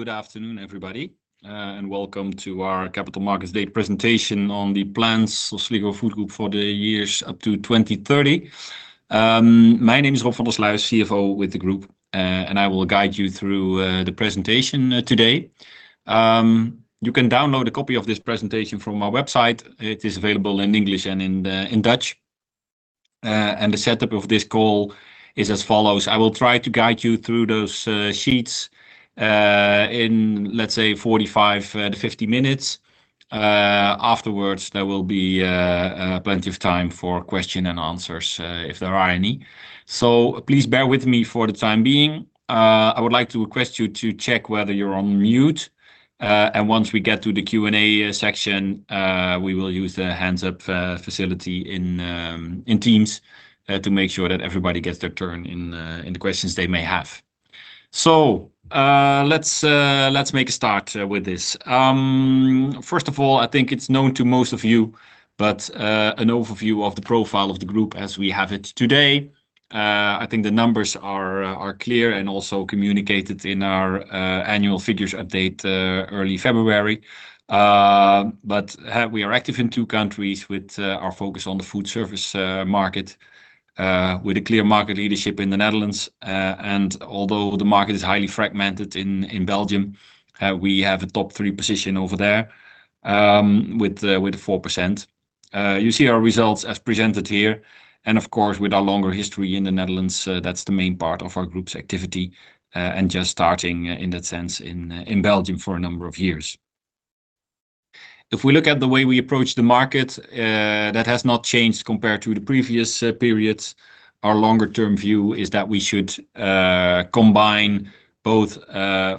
Good afternoon, everybody, welcome to our Capital Markets Day presentation on the plans of Sligro Food Group for the years up to 2030. My name is Rob van der Sluijs, CFO with the group, I will guide you through the presentation today. You can download a copy of this presentation from our website. It is available in English and in Dutch. The setup of this call is as follows. I will try to guide you through those sheets in let's say 45 minutes to 50 minutes. Afterwards, there will be plenty of time for question and answers if there are any. Please bear with me for the time being. I would like to request you to check whether you're on mute. Once we get to the Q&A section, we will use the hands up facility in Teams to make sure that everybody gets their turn in the questions they may have. Let's make a start with this. First of all, I think it's known to most of you, an overview of the profile of the group as we have it today. I think the numbers are clear and also communicated in our annual figures update early February. We are active in two countries with our focus on the foodservice market with a clear market leadership in the Netherlands. Although the market is highly fragmented in Belgium, we have a top three position over there, with 4%. You see our results as presented here, and of course, with our longer history in the Netherlands, that's the main part of our group's activity, and just starting in that sense in Belgium for a number of years. If we look at the way we approach the market, that has not changed compared to the previous periods. Our longer-term view is that we should combine both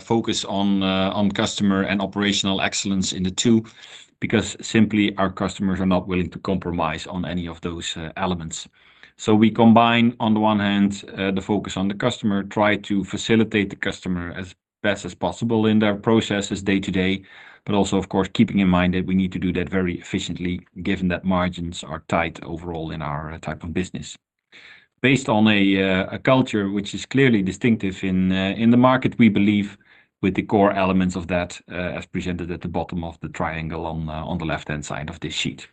focus on customer and operational excellence in the two, because simply our customers are not willing to compromise on any of those elements. We combine on the one hand, the focus on the customer, try to facilitate the customer as best as possible in their processes day to day, but also of course, keeping in mind that we need to do that very efficiently given that margins are tight overall in our type of business. Based on a culture which is clearly distinctive in the market, we believe with the core elements of that as presented at the bottom of the triangle on the left-hand side of this sheet.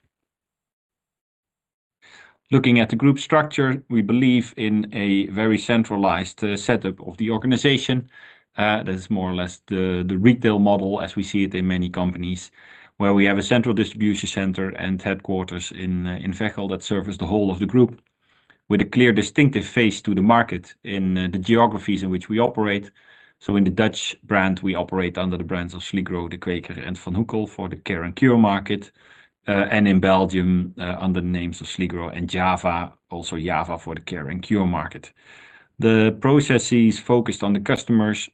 Looking at the group structure, we believe in a very centralized setup of the organization. That's more or less the retail model as we see it in many companies, where we have a central distribution center and headquarters in Veghel that service the whole of the group with a clear distinctive face to the market in the geographies in which we operate. In the Dutch brand, we operate under the brands of Sligro, De Kweker, and Van Hoeckel for the care and cure market. In Belgium, under the names of Sligro and JAVA, also JAVA for the care and cure market. The processes focused on the customers,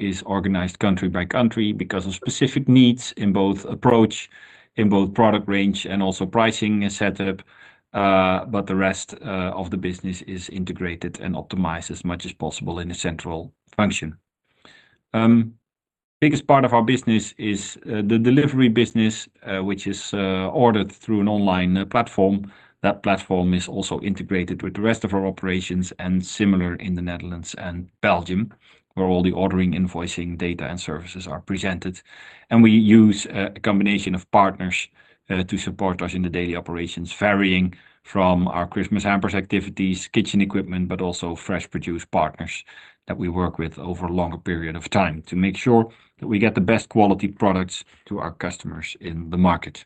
is organized country by country because of specific needs in both approach, in both product range and also pricing and setup. The rest of the business is integrated and optimized as much as possible in a central function. Biggest part of our business is the Delivery business, which is ordered through an online platform. That platform is also integrated with the rest of our operations and similar in the Netherlands and Belgium, where all the ordering, invoicing, data and services are presented. We use a combination of partners to support us in the daily operations, varying from our Christmas hampers activities, kitchen equipment, but also fresh produce partners that we work with over a longer period of time to make sure that we get the best quality products to our customers in the market.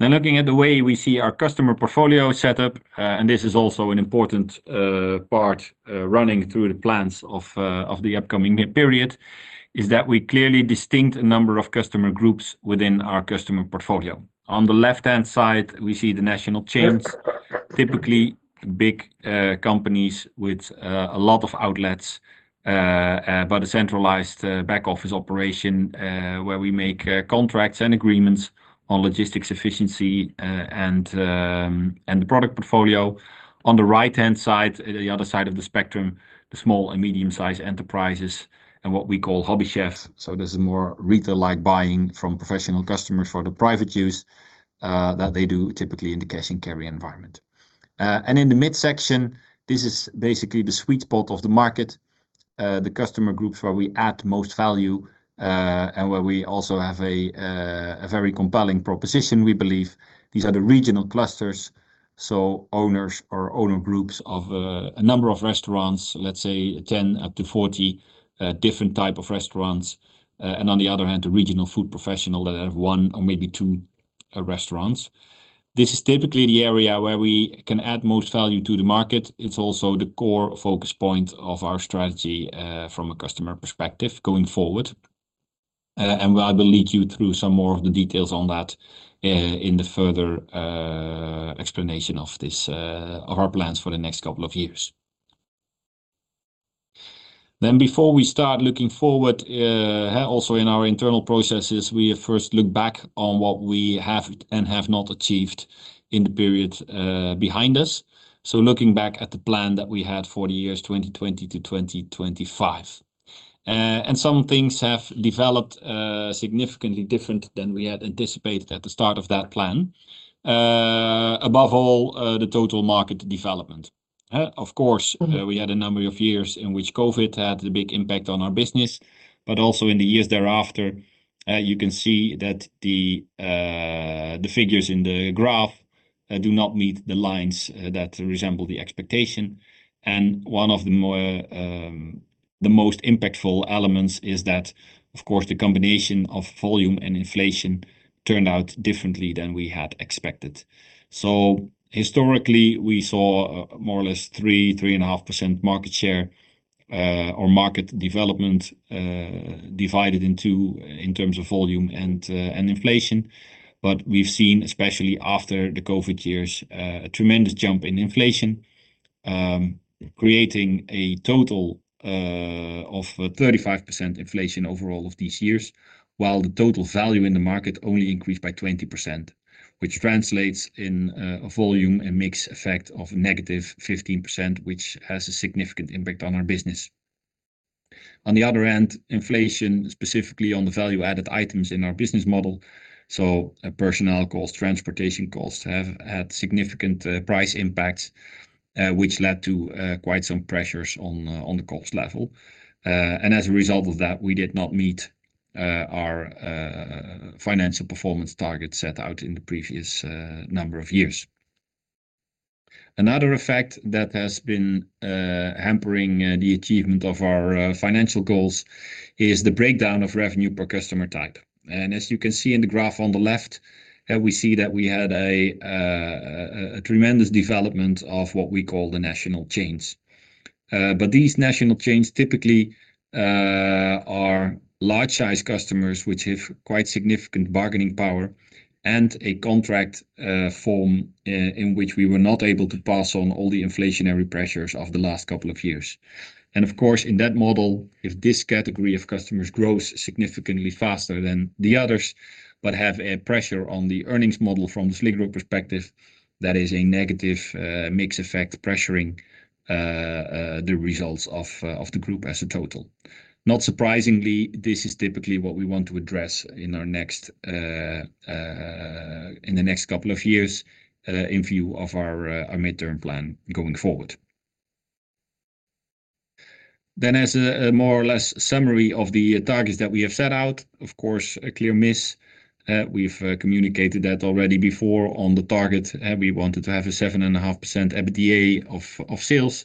Looking at the way we see our customer portfolio set up, and this is also an important part running through the plans of the upcoming period, is that we clearly distinct a number of customer groups within our customer portfolio. On the left-hand side, we see the National Chains, typically big companies with a lot of outlets, but a centralized back office operation, where we make contracts and agreements on logistics efficiency and the product portfolio. On the right-hand side, the other side of the spectrum, the small and medium-sized enterprises and what we call Hobby Chefs. There's a more retail-like buying from professional customers for the private use that they do typically in the cash and carry environment. In the midsection, this is basically the sweet spot of the market, the customer groups where we add most value, and where we also have a very compelling proposition we believe. These are the regional clusters, so owners or owner groups of a number of restaurants, let's say 10 up to 40 different type of restaurants. On the other hand, the regional food professional that have one or maybe two restaurants. This is typically the area where we can add most value to the market. It's also the core focus point of our strategy from a customer perspective going forward. I will lead you through some more of the details on that in the further explanation of our plans for the next couple of years. Before we start looking forward, also in our internal processes, we first look back on what we have and have not achieved in the period behind us. Looking back at the plan that we had for the years 2020 to 2025. And some things have developed significantly different than we had anticipated at the start of that plan. Above all, the total market development. Of course- Mm-hmm we had a number of years in which COVID had a big impact on our business. Also in the years thereafter, you can see that the figures in the graph do not meet the lines that resemble the expectation. One of the more, the most impactful elements is that, of course, the combination of volume and inflation turned out differently than we had expected. Historically, we saw more or less 3.5% market share or market development divided into in terms of volume and inflation. We've seen, especially after the COVID years, a tremendous jump in inflation, creating a total of 35% inflation over all of these years, while the total value in the market only increased by 20%, which translates in a volume and mix effect of -15%, which has a significant impact on our business. On the other hand, inflation, specifically on the value-added items in our business model, so, personnel costs, transportation costs, have had significant price impacts, which led to quite some pressures on the cost level. As a result of that, we did not meet our financial performance targets set out in the previous number of years. Another effect that has been hampering the achievement of our financial goals is the breakdown of revenue per customer type. As you can see in the graph on the left, we see that we had a tremendous development of what we call the National Chains. But these National Chains typically are large-sized customers which have quite significant bargaining power and a contract form in which we were not able to pass on all the inflationary pressures of the last couple of years. Of course, in that model, if this category of customers grows significantly faster than the others, but have a pressure on the earnings model from the Sligro perspective, that is a negative mix effect pressuring the results of the group as a total. Not surprisingly, this is typically what we want to address in the next couple of years, in view of our midterm plan going forward. As a more or less summary of the targets that we have set out, of course, a clear miss. We've communicated that already before on the target. We wanted to have a 7.5% EBITDA of sales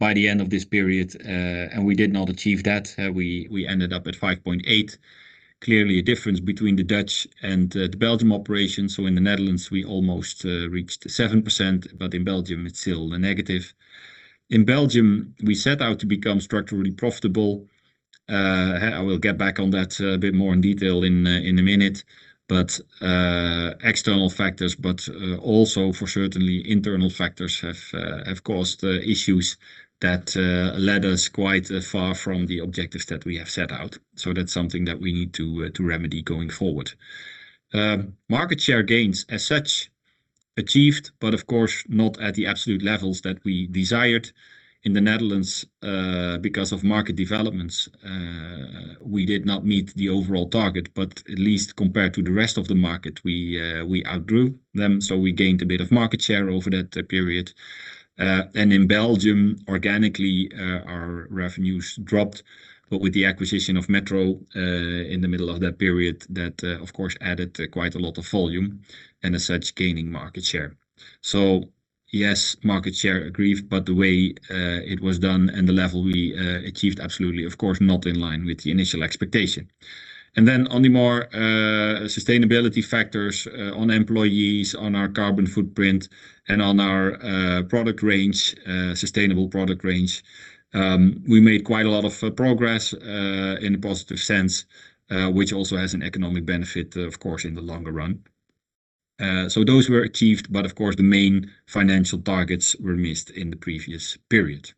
by the end of this period, and we did not achieve that. We ended up at 5.8%. Clearly a difference between the Dutch and the Belgium operations. In the Netherlands, we almost reached 7%, but in Belgium it's still a negative. In Belgium, we set out to become structurally profitable. We'll get back on that a bit more in detail in a minute. External factors, but also for certainly internal factors have caused issues that led us quite far from the objectives that we have set out. That's something that we need to remedy going forward. Market share gains as such achieved, but of course not at the absolute levels that we desired in the Netherlands because of market developments. We did not meet the overall target, but at least compared to the rest of the market, we outgrew them, so we gained a bit of market share over that period. In Belgium, organically, our revenues dropped. With the acquisition of Metro, in the middle of that period, that, of course added quite a lot of volume and as such, gaining market share. Yes, market share agreed, but the way it was done and the level we achieved, absolutely, of course, not in line with the initial expectation. On the more sustainability factors, on employees, on our carbon footprint, and on our product range, sustainable product range, we made quite a lot of progress in a positive sense, which also has an economic benefit, of course, in the longer run. Those were achieved, but of course the main financial targets were missed in the previous period.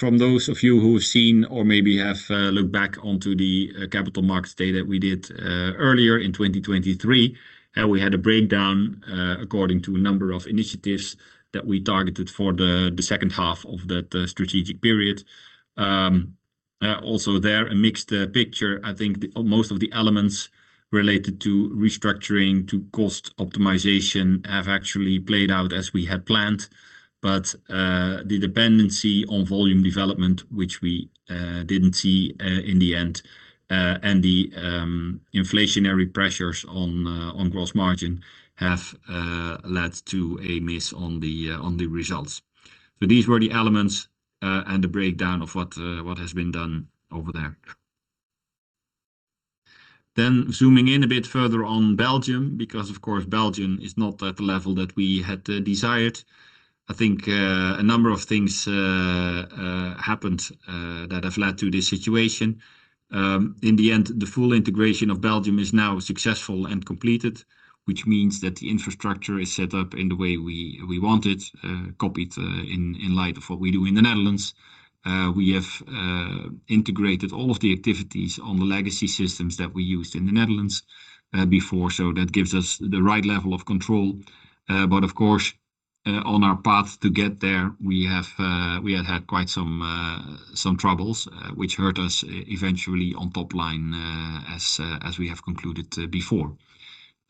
From those of you who have seen or maybe have looked back onto the Capital Markets Day that we did earlier in 2023, we had a breakdown according to a number of initiatives that we targeted for the second half of that strategic period. Also there, a mixed picture. I think the most of the elements related to restructuring, to cost optimization have actually played out as we had planned. The dependency on volume development, which we didn't see in the end, and the inflationary pressures on gross margin have led to a miss on the results. These were the elements and the breakdown of what has been done over there. Zooming in a bit further on Belgium, because of course, Belgium is not at the level that we had desired. I think a number of things happened that have led to this situation. In the end, the full integration of Belgium is now successful and completed, which means that the infrastructure is set up in the way we want it copied in light of what we do in the Netherlands. We have integrated all of the activities on the legacy systems that we used in the Netherlands before. That gives us the right level of control. On our path to get there, we have had quite some troubles, which hurt us eventually on top line as we have concluded before.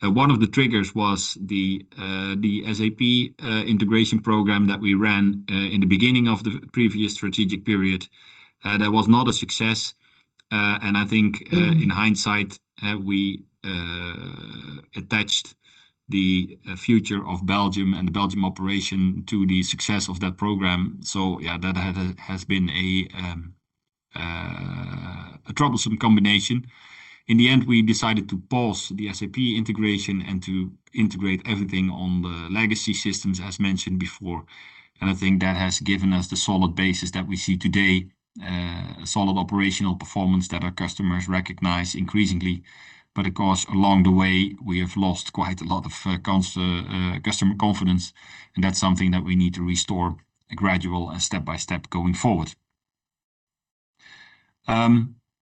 One of the triggers was the SAP integration program that we ran in the beginning of the previous strategic period. That was not a success. I think in hindsight, we attached the future of Belgium and the Belgium operation to the success of that program. That has been a troublesome combination. In the end, we decided to pause the SAP integration and to integrate everything on the legacy systems as mentioned before. I think that has given us the solid basis that we see today, a solid operational performance that our customers recognize increasingly. Of course, along the way, we have lost quite a lot of customer confidence, and that's something that we need to restore gradual and step by step going forward.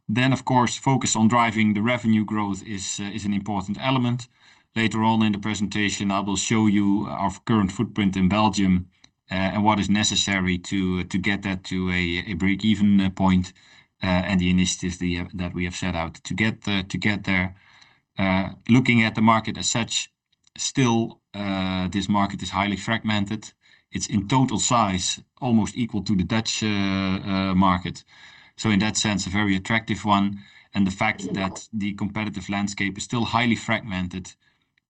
Then of course, focus on driving the revenue growth is an important element. Later on in the presentation, I will show you our current footprint in Belgium, and what is necessary to get that to a breakeven point, and the initiatives that we have set out to get there. Looking at the market as such, still, this market is highly fragmented. It's in total size, almost equal to the Dutch market. In that sense, a very attractive one. The fact that the competitive landscape is still highly fragmented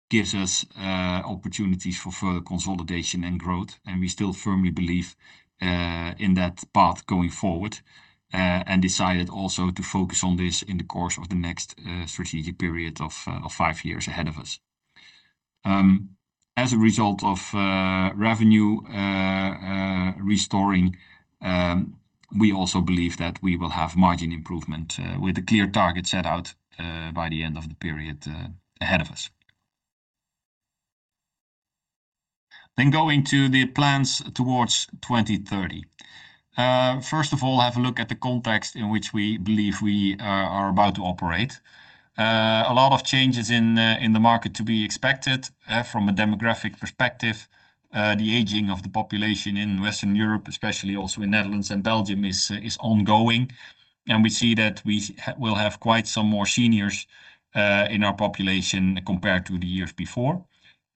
gives us opportunities for further consolidation and growth. We still firmly believe in that path going forward, and decided also to focus on this in the course of the next strategic period of five years ahead of us. As a result of revenue restoring, we also believe that we will have margin improvement with a clear target set out by the end of the period ahead of us. Going to the plans towards 2030. First of all, have a look at the context in which we believe we are about to operate. A lot of changes in the market to be expected from a demographic perspective. The aging of the population in Western Europe, especially also in Netherlands and Belgium, is ongoing. We see that we will have quite some more seniors in our population compared to the years before.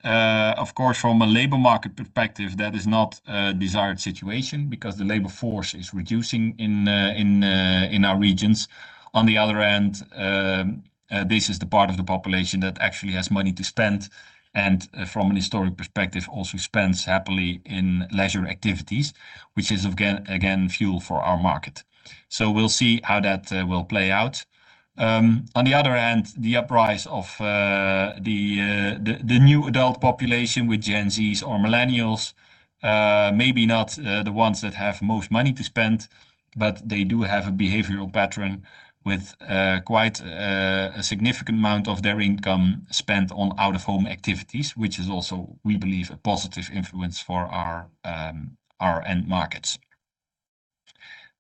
Of course, from a labor market perspective, that is not a desired situation because the labor force is reducing in our regions. On the other end, this is the part of the population that actually has money to spend, and from an historic perspective, also spends happily in leisure activities, which is again, fuel for our market. We'll see how that will play out. On the other end, the uprise of the new adult population with Gen Zs or Millennials, maybe not the ones that have most money to spend, but they do have a behavioral pattern with quite a significant amount of their income spent on out-of-home activities, which is also, we believe, a positive influence for our end markets.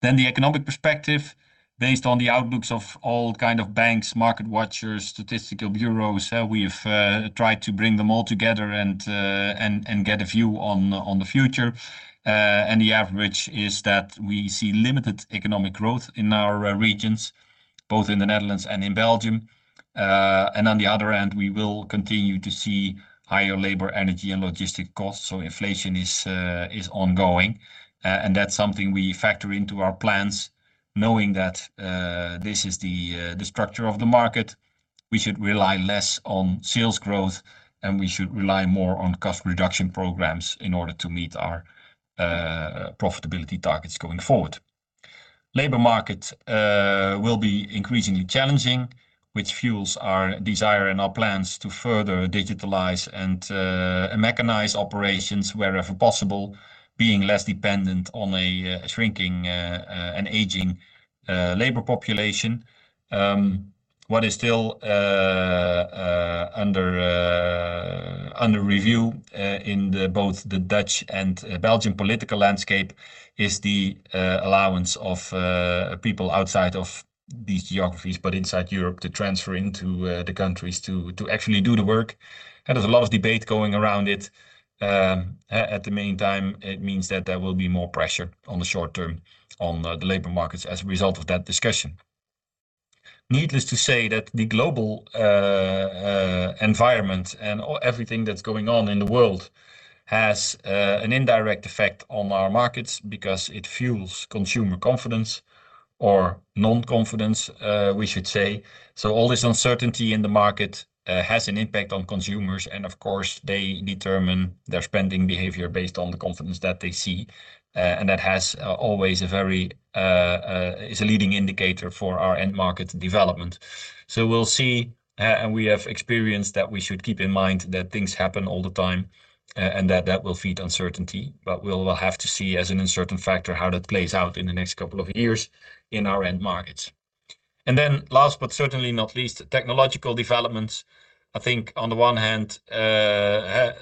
The economic perspective, based on the outlooks of all kind of banks, market watchers, statistical bureaus, we've tried to bring them all together and, and get a view on the future. The average is that we see limited economic growth in our regions, both in the Netherlands and in Belgium. On the other end, we will continue to see higher labor, energy, and logistic costs. Inflation is ongoing. That's something we factor into our plans, knowing that this is the structure of the market. We should rely less on sales growth, and we should rely more on cost reduction programs in order to meet our profitability targets going forward. Labor market will be increasingly challenging, which fuels our desire and our plans to further digitalize and mechanize operations wherever possible, being less dependent on a shrinking, an aging labor population. What is still under review in the both the Dutch and Belgian political landscape is the allowance of people outside of these geographies, but inside Europe to transfer into the countries to actually do the work. There's a lot of debate going around it. At the meantime, it means that there will be more pressure on the short term on the labor markets as a result of that discussion. Needless to say that the global environment and everything that's going on in the world has an indirect effect on our markets because it fuels consumer confidence or non-confidence, we should say. All this uncertainty in the market has an impact on consumers, and of course, they determine their spending behavior based on the confidence that they see. That has always a very is a leading indicator for our end market development. We'll see, and we have experience that we should keep in mind that things happen all the time, and that will feed uncertainty. We'll have to see as an uncertain factor how that plays out in the next couple of years in our end markets. Last but certainly not least, technological developments. I think on the one hand,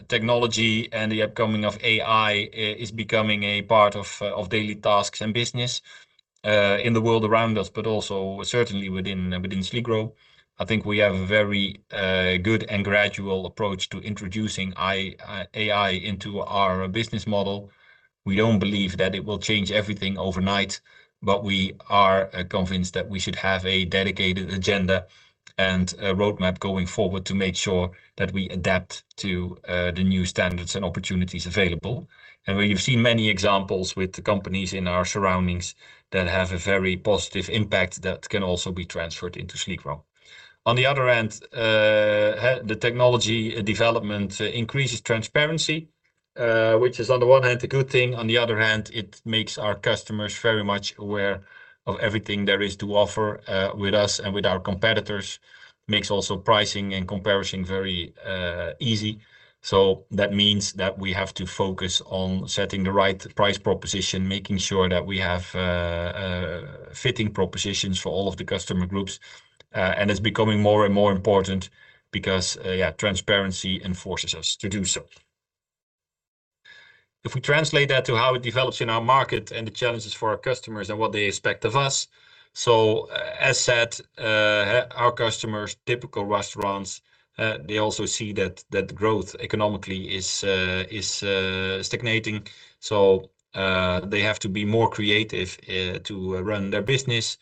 technology and the upcoming of AI is becoming a part of daily tasks and business. In the world around us, but also certainly within Sligro. I think we have a very good and gradual approach to introducing AI into our business model. We don't believe that it will change everything overnight, but we are convinced that we should have a dedicated agenda and a roadmap going forward to make sure that we adapt to the new standards and opportunities available. We have seen many examples with the companies in our surroundings that have a very positive impact that can also be transferred into Sligro. On the other end, the technology development increases transparency, which is on the one hand a good thing, on the other hand, it makes our customers very much aware of everything there is to offer, with us and with our competitors. Makes also pricing and comparison very easy. That means that we have to focus on setting the right price proposition, making sure that we have fitting propositions for all of the customer groups. And it's becoming more and more important because, yeah, transparency enforces us to do so. If we translate that to how it develops in our market and the challenges for our customers and what they expect of us. As said, our customers, typical restaurants, they also see that growth economically is stagnating. They have to be more creative to run their business.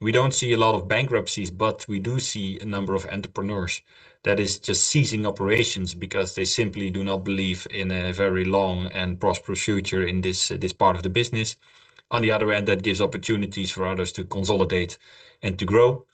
We don't see a lot of bankruptcies, but we do see a number of entrepreneurs that is just ceasing operations because they simply do not believe in a very long and prosperous future in this part of the business. On the other end, that gives opportunities for others to consolidate and to grow.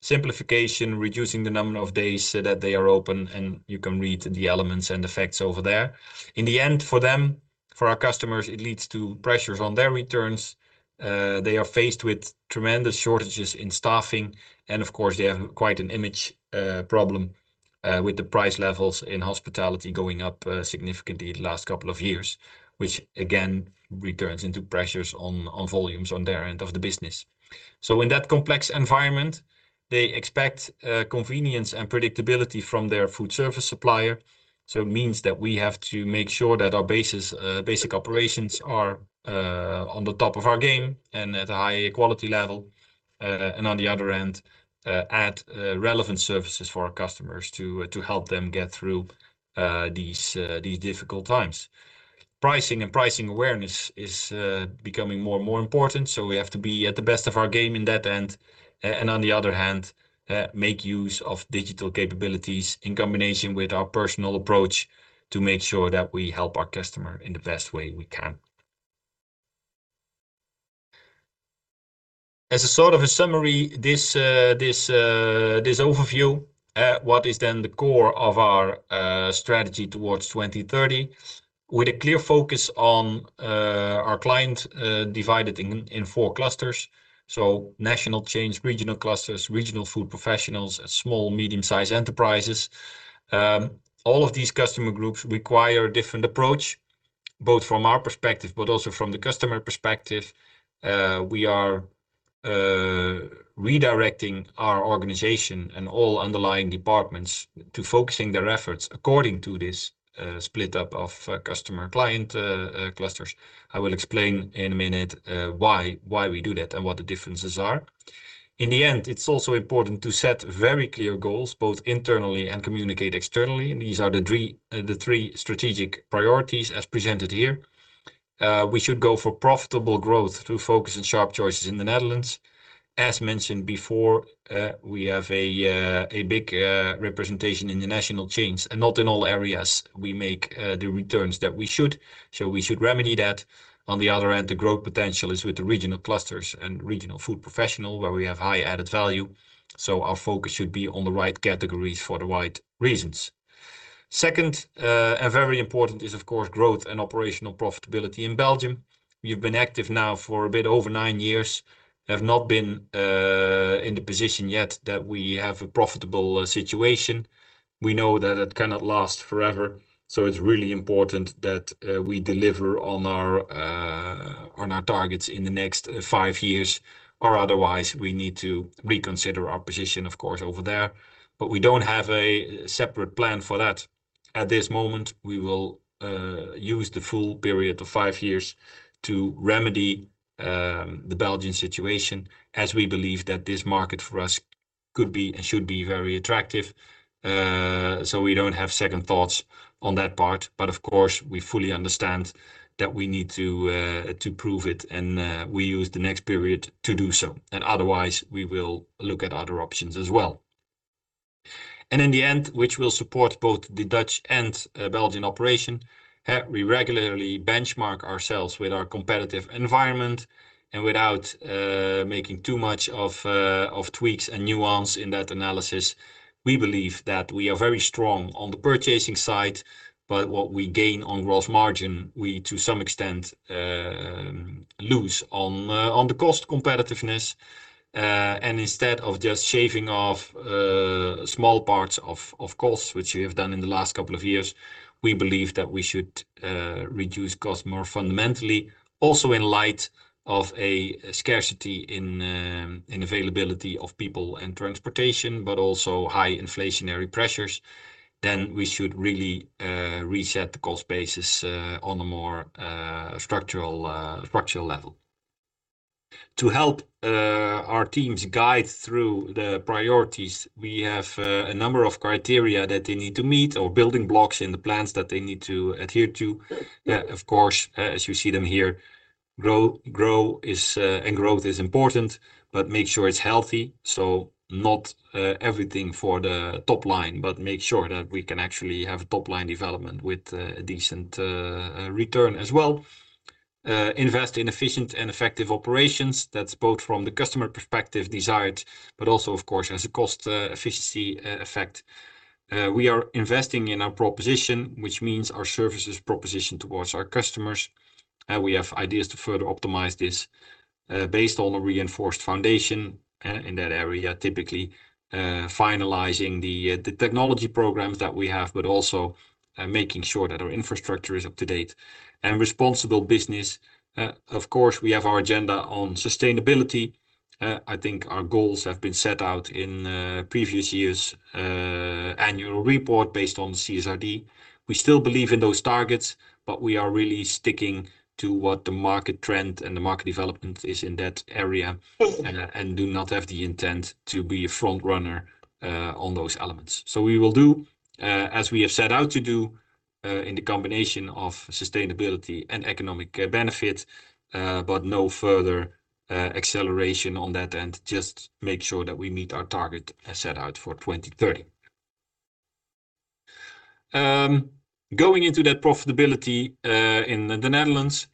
Simplification, reducing the number of days so that they are open and you can read the elements and effects over there. In the end, for them, for our customers, it leads to pressures on their returns. They are faced with tremendous shortages in staffing, and of course, they have quite an image problem with the price levels in hospitality going up significantly the last couple of years, which again returns into pressures on volumes on their end of the business. In that complex environment, they expect convenience and predictability from their foodservice supplier. It means that we have to make sure that our basis basic operations are on the top of our game and at a high quality level. And on the other end, add relevant services for our customers to help them get through these difficult times. Pricing and pricing awareness is becoming more and more important. We have to be at the best of our game in that end, and on the other hand, make use of digital capabilities in combination with our personal approach to make sure that we help our customer in the best way we can. As a sort of a summary, this, this overview, what is then the core of our strategy towards 2030 with a clear focus on our client, divided in four clusters. National Change, Regional Clusters, Regional Food Professionals, Small, Medium-Size Enterprises. All of these customer groups require a different approach, both from our perspective, but also from the customer perspective. We are redirecting our organization and all underlying departments to focusing their efforts according to this split up of customer-client clusters. I will explain in a minute why we do that and what the differences are. In the end, it's also important to set very clear goals, both internally and communicate externally. These are the three strategic priorities as presented here. We should go for profitable growth through focus and sharp choices in the Netherlands. As mentioned before, we have a big representation in the National Chains and not in all areas we make the returns that we should. We should remedy that. On the other end, the growth potential is with the Regional Clusters and Regional Food Professional, where we have high added value. Our focus should be on the right categories for the right reasons. Second, very important is of course, growth and operational profitability in Belgium. We've been active now for a bit over nine years, have not been in the position yet that we have a profitable situation. We know that it cannot last forever. It's really important that we deliver on our targets in the next five years or otherwise, we need to reconsider our position, of course, over there. We don't have a separate plan for that. At this moment, we will use the full period of five years to remedy the Belgian situation as we believe that this market for us could be and should be very attractive. We don't have second thoughts on that part, but of course, we fully understand that we need to prove it, and we use the next period to do so, and otherwise we will look at other options as well. In the end, which will support both the Dutch and Belgian operation, we regularly benchmark ourselves with our competitive environment and without making too much of tweaks and nuance in that analysis. We believe that we are very strong on the purchasing side, but what we gain on gross margin, we to some extent lose on on the cost competitiveness. Instead of just shaving off small parts of costs, which we have done in the last couple of years, we believe that we should reduce cost more fundamentally. In light of a scarcity in availability of people and transportation, but also high inflationary pressures, then we should really reset the cost basis on a more structural level. To help our teams guide through the priorities, we have a number of criteria that they need to meet or building blocks in the plans that they need to adhere to. Of course, as you see them here, grow, growth is important, but make sure it's healthy, so not everything for the top line. Make sure that we can actually have top-line development with a decent return as well. Invest in efficient and effective operations. That's both from the customer perspective desired, but also, of course, as a cost efficiency effect. We are investing in our proposition, which means our services proposition towards our customers, and we have ideas to further optimize this based on a reinforced foundation in that area, typically finalizing the technology programs that we have but also making sure that our infrastructure is up to date. Responsible business, of course, we have our agenda on sustainability. I think our goals have been set out in previous years' annual report based on CSRD. We still believe in those targets, but we are really sticking to what the market trend and the market development is in that area, and do not have the intent to be a front runner on those elements. We will do as we have set out to do in the combination of sustainability and economic benefit. No further acceleration on that end. Just make sure that we meet our target as set out for 2030. Going into that profitability in the Netherlands,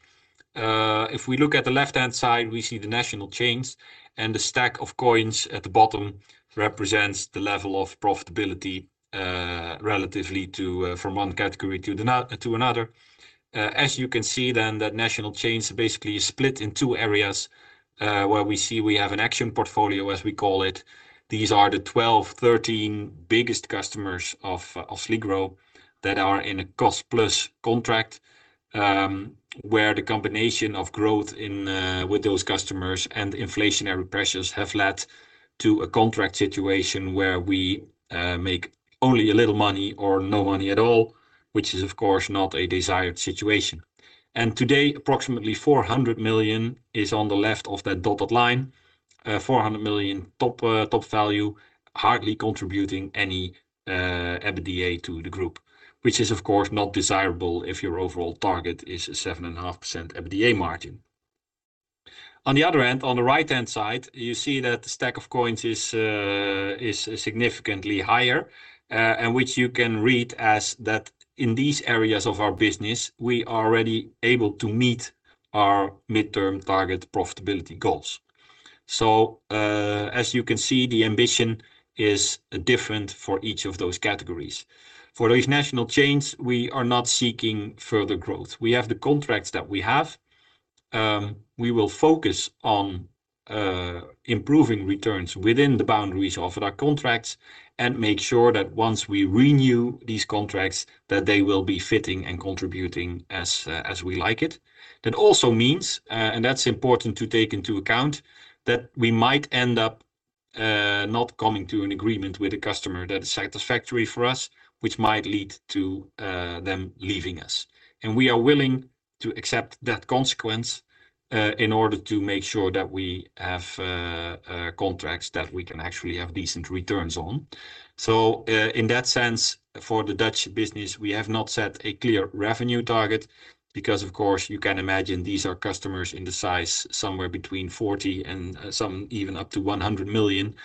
if we look at the left-hand side, we see the National Chains, and the stack of coins at the bottom represents the level of profitability relatively to from one category to another. As you can see, the National Chains are basically split in two areas, where we see we have an Action portfolio, as we call it. These are the 12, 13 biggest customers of Sligro that are in a cost-plus contract, where the combination of growth in with those customers and inflationary pressures have led to a contract situation where we make only a little money or no money at all, which is of course not a desired situation. Today, approximately 400 million is on the left of that dotted line. 400 million top top value hardly contributing any EBITDA to the group, which is of course not desirable if your overall target is a 7.5% EBITDA margin. On the other end, on the right-hand side, you see that the stack of coins is significantly higher, which you can read as that in these areas of our business, we are already able to meet our midterm target profitability goals. As you can see, the ambition is different for each of those categories. For those National Chains, we are not seeking further growth. We have the contracts that we have. We will focus on improving returns within the boundaries offered our contracts and make sure that once we renew these contracts, that they will be fitting and contributing as we like it. That also means, and that's important to take into account, that we might end up not coming to an agreement with a customer that is satisfactory for us, which might lead to them leaving us. We are willing to accept that consequence in order to make sure that we have contracts that we can actually have decent returns on. In that sense, for the Dutch business, we have not set a clear revenue target because of course you can imagine these are customers in the size somewhere between 40 million and some even up to 100 million.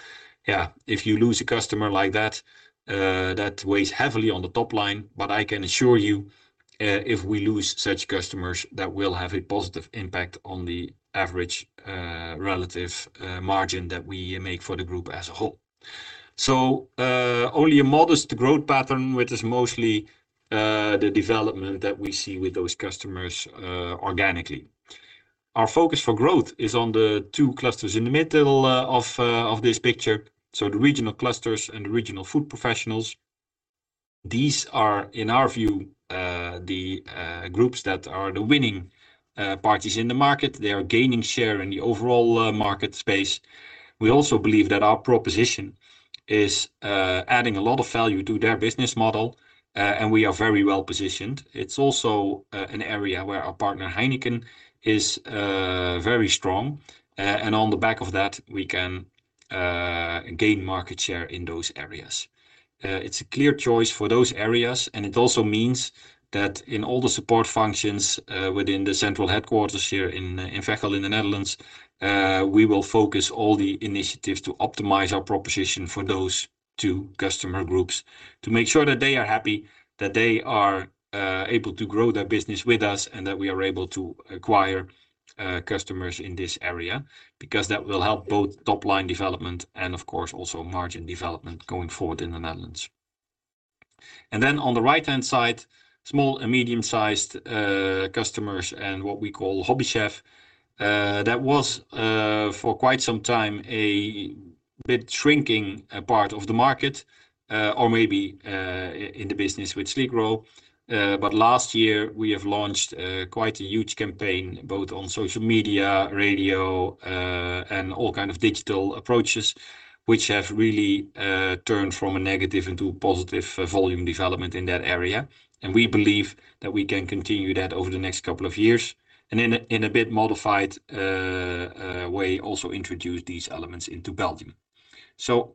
If you lose a customer like that weighs heavily on the top line. I can assure you, if we lose such customers, that will have a positive impact on the average, relative margin that we make for the group as a whole. Only a modest growth pattern, which is mostly the development that we see with those customers organically. Our focus for growth is on the two clusters in the middle of this picture, so the Regional Clusters and the Regional Food Professionals. These are, in our view, the groups that are the winning parties in the market. They are gaining share in the overall market space. We also believe that our proposition is adding a lot of value to their business model, and we are very well-positioned. It's also an area where our partner Heineken is very strong. On the back of that, we can gain market share in those areas. It's a clear choice for those areas, and it also means that in all the support functions within the central headquarters here in Veghel in the Netherlands, we will focus all the initiatives to optimize our proposition for those two customer groups to make sure that they are happy, that they are able to grow their business with us, and that we are able to acquire customers in this area because that will help both top-line development and of course also margin development going forward in the Netherlands. On the right-hand side, Small and Medium-Sized customers and what we call Hobby Chef, that was for quite some time a bit shrinking part of the market, or maybe in the business with Sligro. Last year we have launched quite a huge campaign both on social media, radio, all kind of digital approaches which have really turned from a negative into a positive volume development in that area. We believe that we can continue that over the next couple of years and in a, in a bit modified way, also introduce these elements into Belgium.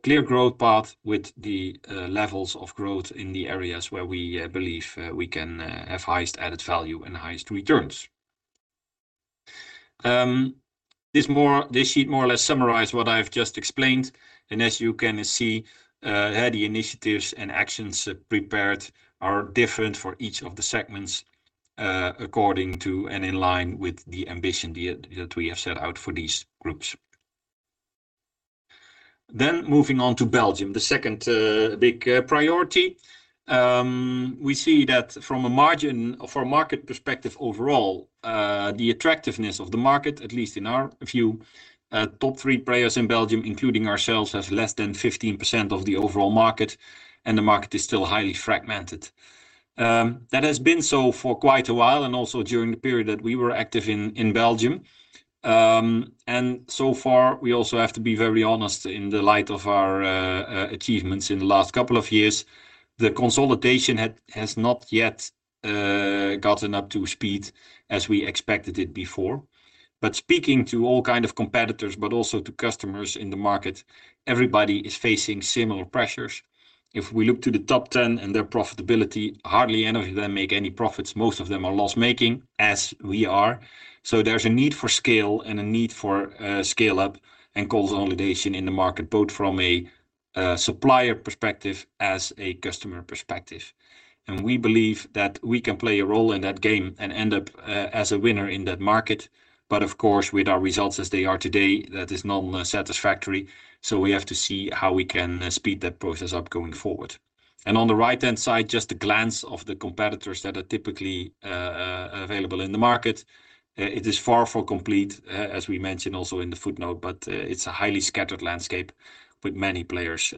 Clear growth path with the levels of growth in the areas where we believe we can have highest added value and highest returns. This sheet more or less summarize what I've just explained. As you can see, how the initiatives and actions prepared are different for each of the segments, according to and in line with the ambition that we have set out for these groups. Moving on to Belgium, the second big priority. We see that from a market perspective overall, the attractiveness of the market, at least in our view, top three players in Belgium, including ourselves, have less than 15% of the overall market, and the market is still highly fragmented. That has been so for quite a while and also during the period that we were active in Belgium. So far, we also have to be very honest in the light of our achievements in the last couple of years, the consolidation has not yet gotten up to speed as we expected it before. Speaking to all kind of competitors, but also to customers in the market, everybody is facing similar pressures. If we look to the top 10 and their profitability, hardly any of them make any profits. Most of them are loss-making as we are. There's a need for scale and a need for scale-up and consolidation in the market, both from a supplier perspective as a customer perspective. We believe that we can play a role in that game and end up as a winner in that market. Of course, with our results as they are today, that is not satisfactory. We have to see how we can speed that process up going forward. On the right-hand side, just a glance of the competitors that are typically available in the market. It is far from complete, as we mentioned also in the footnote, but it's a highly scattered landscape with many players.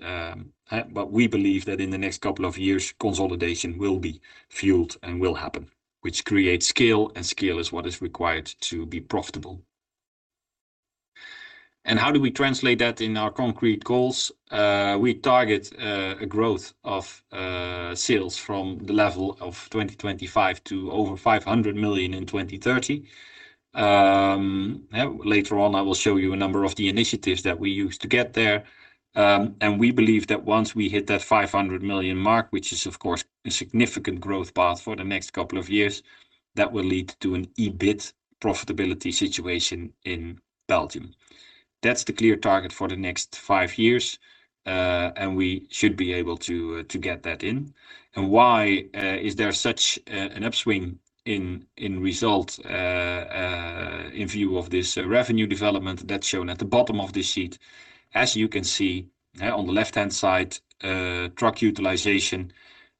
We believe that in the next couple of years, consolidation will be fueled and will happen, which creates scale, and scale is what is required to be profitable. How do we translate that in our concrete goals? We target a growth of sales from the level of 2025 to over 500 million in 2030. Yeah, later on I will show you a number of the initiatives that we use to get there. We believe that once we hit that 500 million mark, which is of course a significant growth path for the next couple of years, that will lead to an EBIT profitability situation in Belgium. That's the clear target for the next five years, we should be able to get that in. Why is there such an upswing in results in view of this revenue development that's shown at the bottom of this sheet? As you can see, on the left-hand side, truck utilization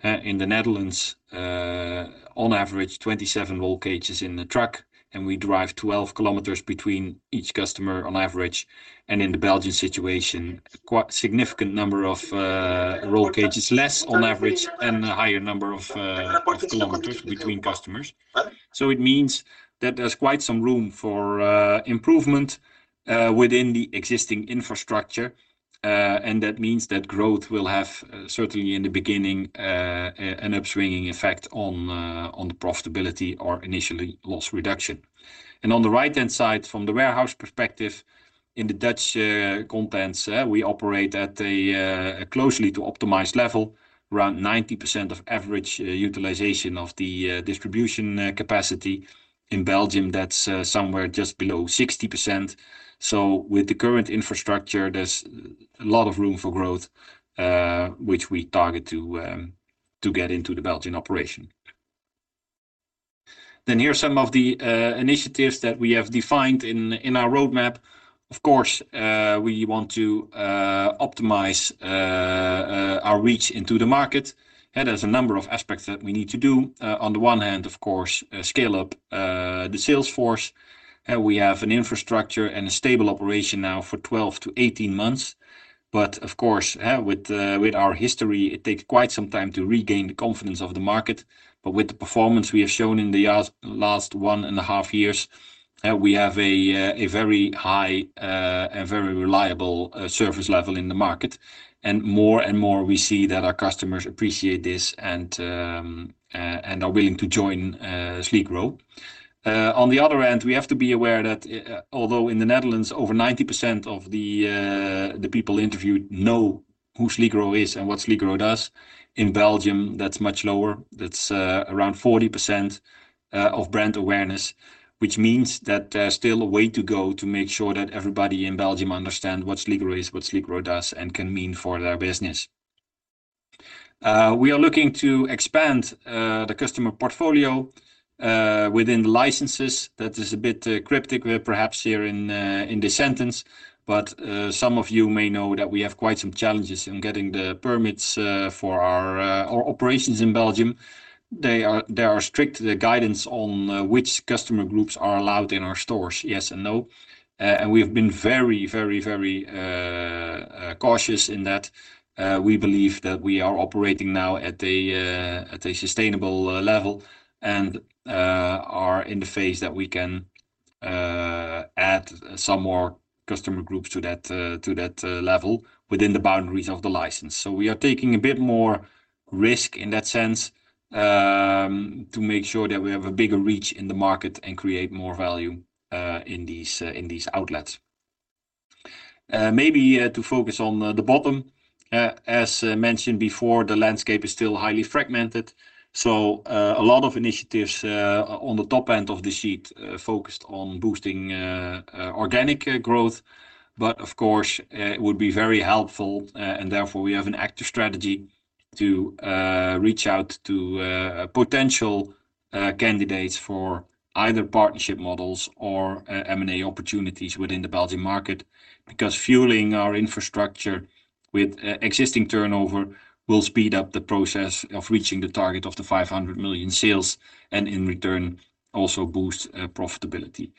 in the Netherlands, on average 27 roll cages in the truck, and we drive 12 km between each customer on average. In the Belgian situation, quite significant number of roll cages, less on average and a higher number of kilometers between customers. It means that there's quite some room for improvement within the existing infrastructure. That means that growth will have, certainly in the beginning, an upswinging effect on the profitability or initially loss reduction. On the right-hand side, from the warehouse perspective, in the Dutch contents, we operate at a closely to optimized level, around 90% of average utilization of the distribution capacity. In Belgium, that's somewhere just below 60%. With the current infrastructure, there's a lot of room for growth, which we target to get into the Belgian operation. Here are some of the initiatives that we have defined in our roadmap. Of course, we want to optimize our reach into the market. There's a number of aspects that we need to do. On the one hand, of course, scale up the sales force. We have an infrastructure and a stable operation now for 12 months-18 months. Of course, with our history, it takes quite some time to regain the confidence of the market. With the performance we have shown in the last 1.5 years, we have a very high, a very reliable service level in the market. More and more we see that our customers appreciate this and are willing to join Sligro. On the other hand, we have to be aware that, although in the Netherlands, over 90% of the people interviewed know who Sligro is and what Sligro does, in Belgium, that's much lower. That's around 40% of brand awareness, which means that there's still a way to go to make sure that everybody in Belgium understand what Sligro is, what Sligro does, and can mean for their business. We are looking to expand the customer portfolio within the licenses. That is a bit cryptic perhaps here in in this sentence, but some of you may know that we have quite some challenges in getting the permits for our our operations in Belgium. There are strict guidance on which customer groups are allowed in our stores, yes and no. We have been very cautious in that, we believe that we are operating now at a sustainable level and are in the phase that we can add some more customer groups to that, to that level within the boundaries of the license. We are taking a bit more risk in that sense, to make sure that we have a bigger reach in the market and create more value in these, in these outlets. Maybe to focus on the bottom. As mentioned before, the landscape is still highly fragmented. A lot of initiatives on the top end of the sheet, focused on boosting organic growth. Of course, it would be very helpful, and therefore, we have an active strategy to reach out to potential candidates for either partnership models or M&A opportunities within the Belgium market, because fueling our infrastructure with existing turnover will speed up the process of reaching the target of 500 million sales, and in return, also boost profitability.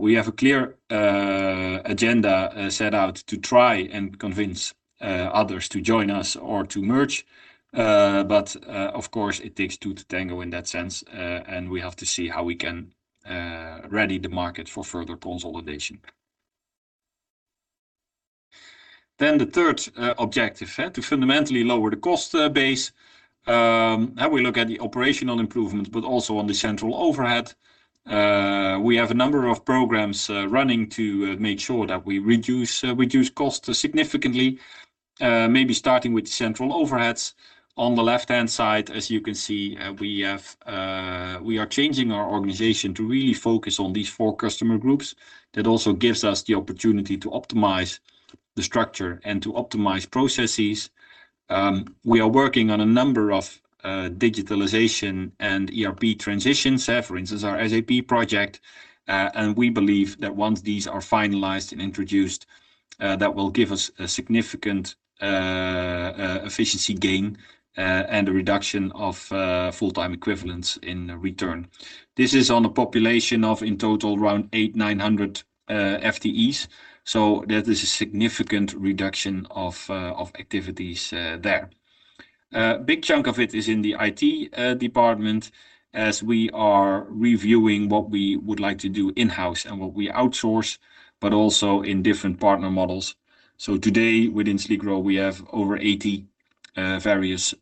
We have a clear agenda set out to try and convince others to join us or to merge. Of course, it takes two to tango in that sense, and we have to see how we can ready the market for further consolidation. The third objective to fundamentally lower the cost base. How we look at the operational improvement, but also on the central overhead. We have a number of programs running to make sure that we reduce costs significantly, maybe starting with central overheads. On the left-hand side, as you can see, we are changing our organization to really focus on these four customer groups. That also gives us the opportunity to optimize the structure and to optimize processes. We are working on a number of digitalization and ERP transitions, for instance, our SAP project. We believe that once these are finalized and introduced, that will give us a significant efficiency gain and a reduction of full-time equivalents in return. This is on a population of, in total, around 800 FTE-900 FTEs. That is a significant reduction of activities there. Big chunk of it is in the IT department as we are reviewing what we would like to do in-house and what we outsource, but also in different partner models. Today within Sligro, we have over 80 various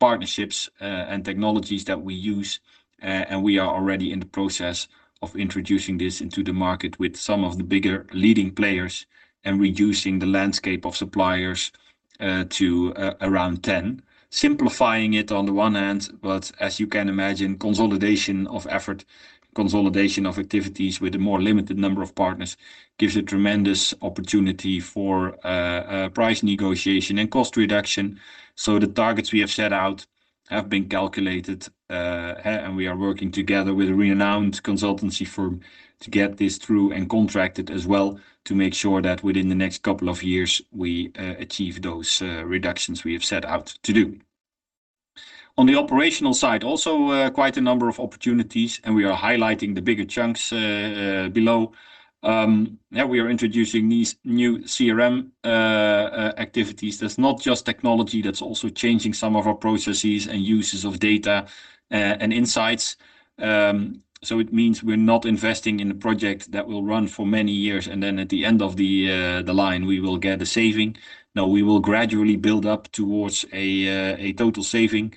partnerships and technologies that we use, and we are already in the process of introducing this into the market with some of the bigger leading players and reducing the landscape of suppliers to around 10. Simplifying it on the one hand, As you can imagine, consolidation of effort, consolidation of activities with a more limited number of partners gives a tremendous opportunity for price negotiation and cost reduction. The targets we have set out have been calculated, and we are working together with a renowned consultancy firm to get this through and contracted as well, to make sure that within the next couple of years, we achieve those reductions we have set out to do. On the operational side, also, quite a number of opportunities, and we are highlighting the bigger chunks below. Yeah, we are introducing these new CRM activities. That's not just technology, that's also changing some of our processes and uses of data and insights. It means we're not investing in a project that will run for many years, and then at the end of the line, we will get a saving. No, we will gradually build up towards a total saving,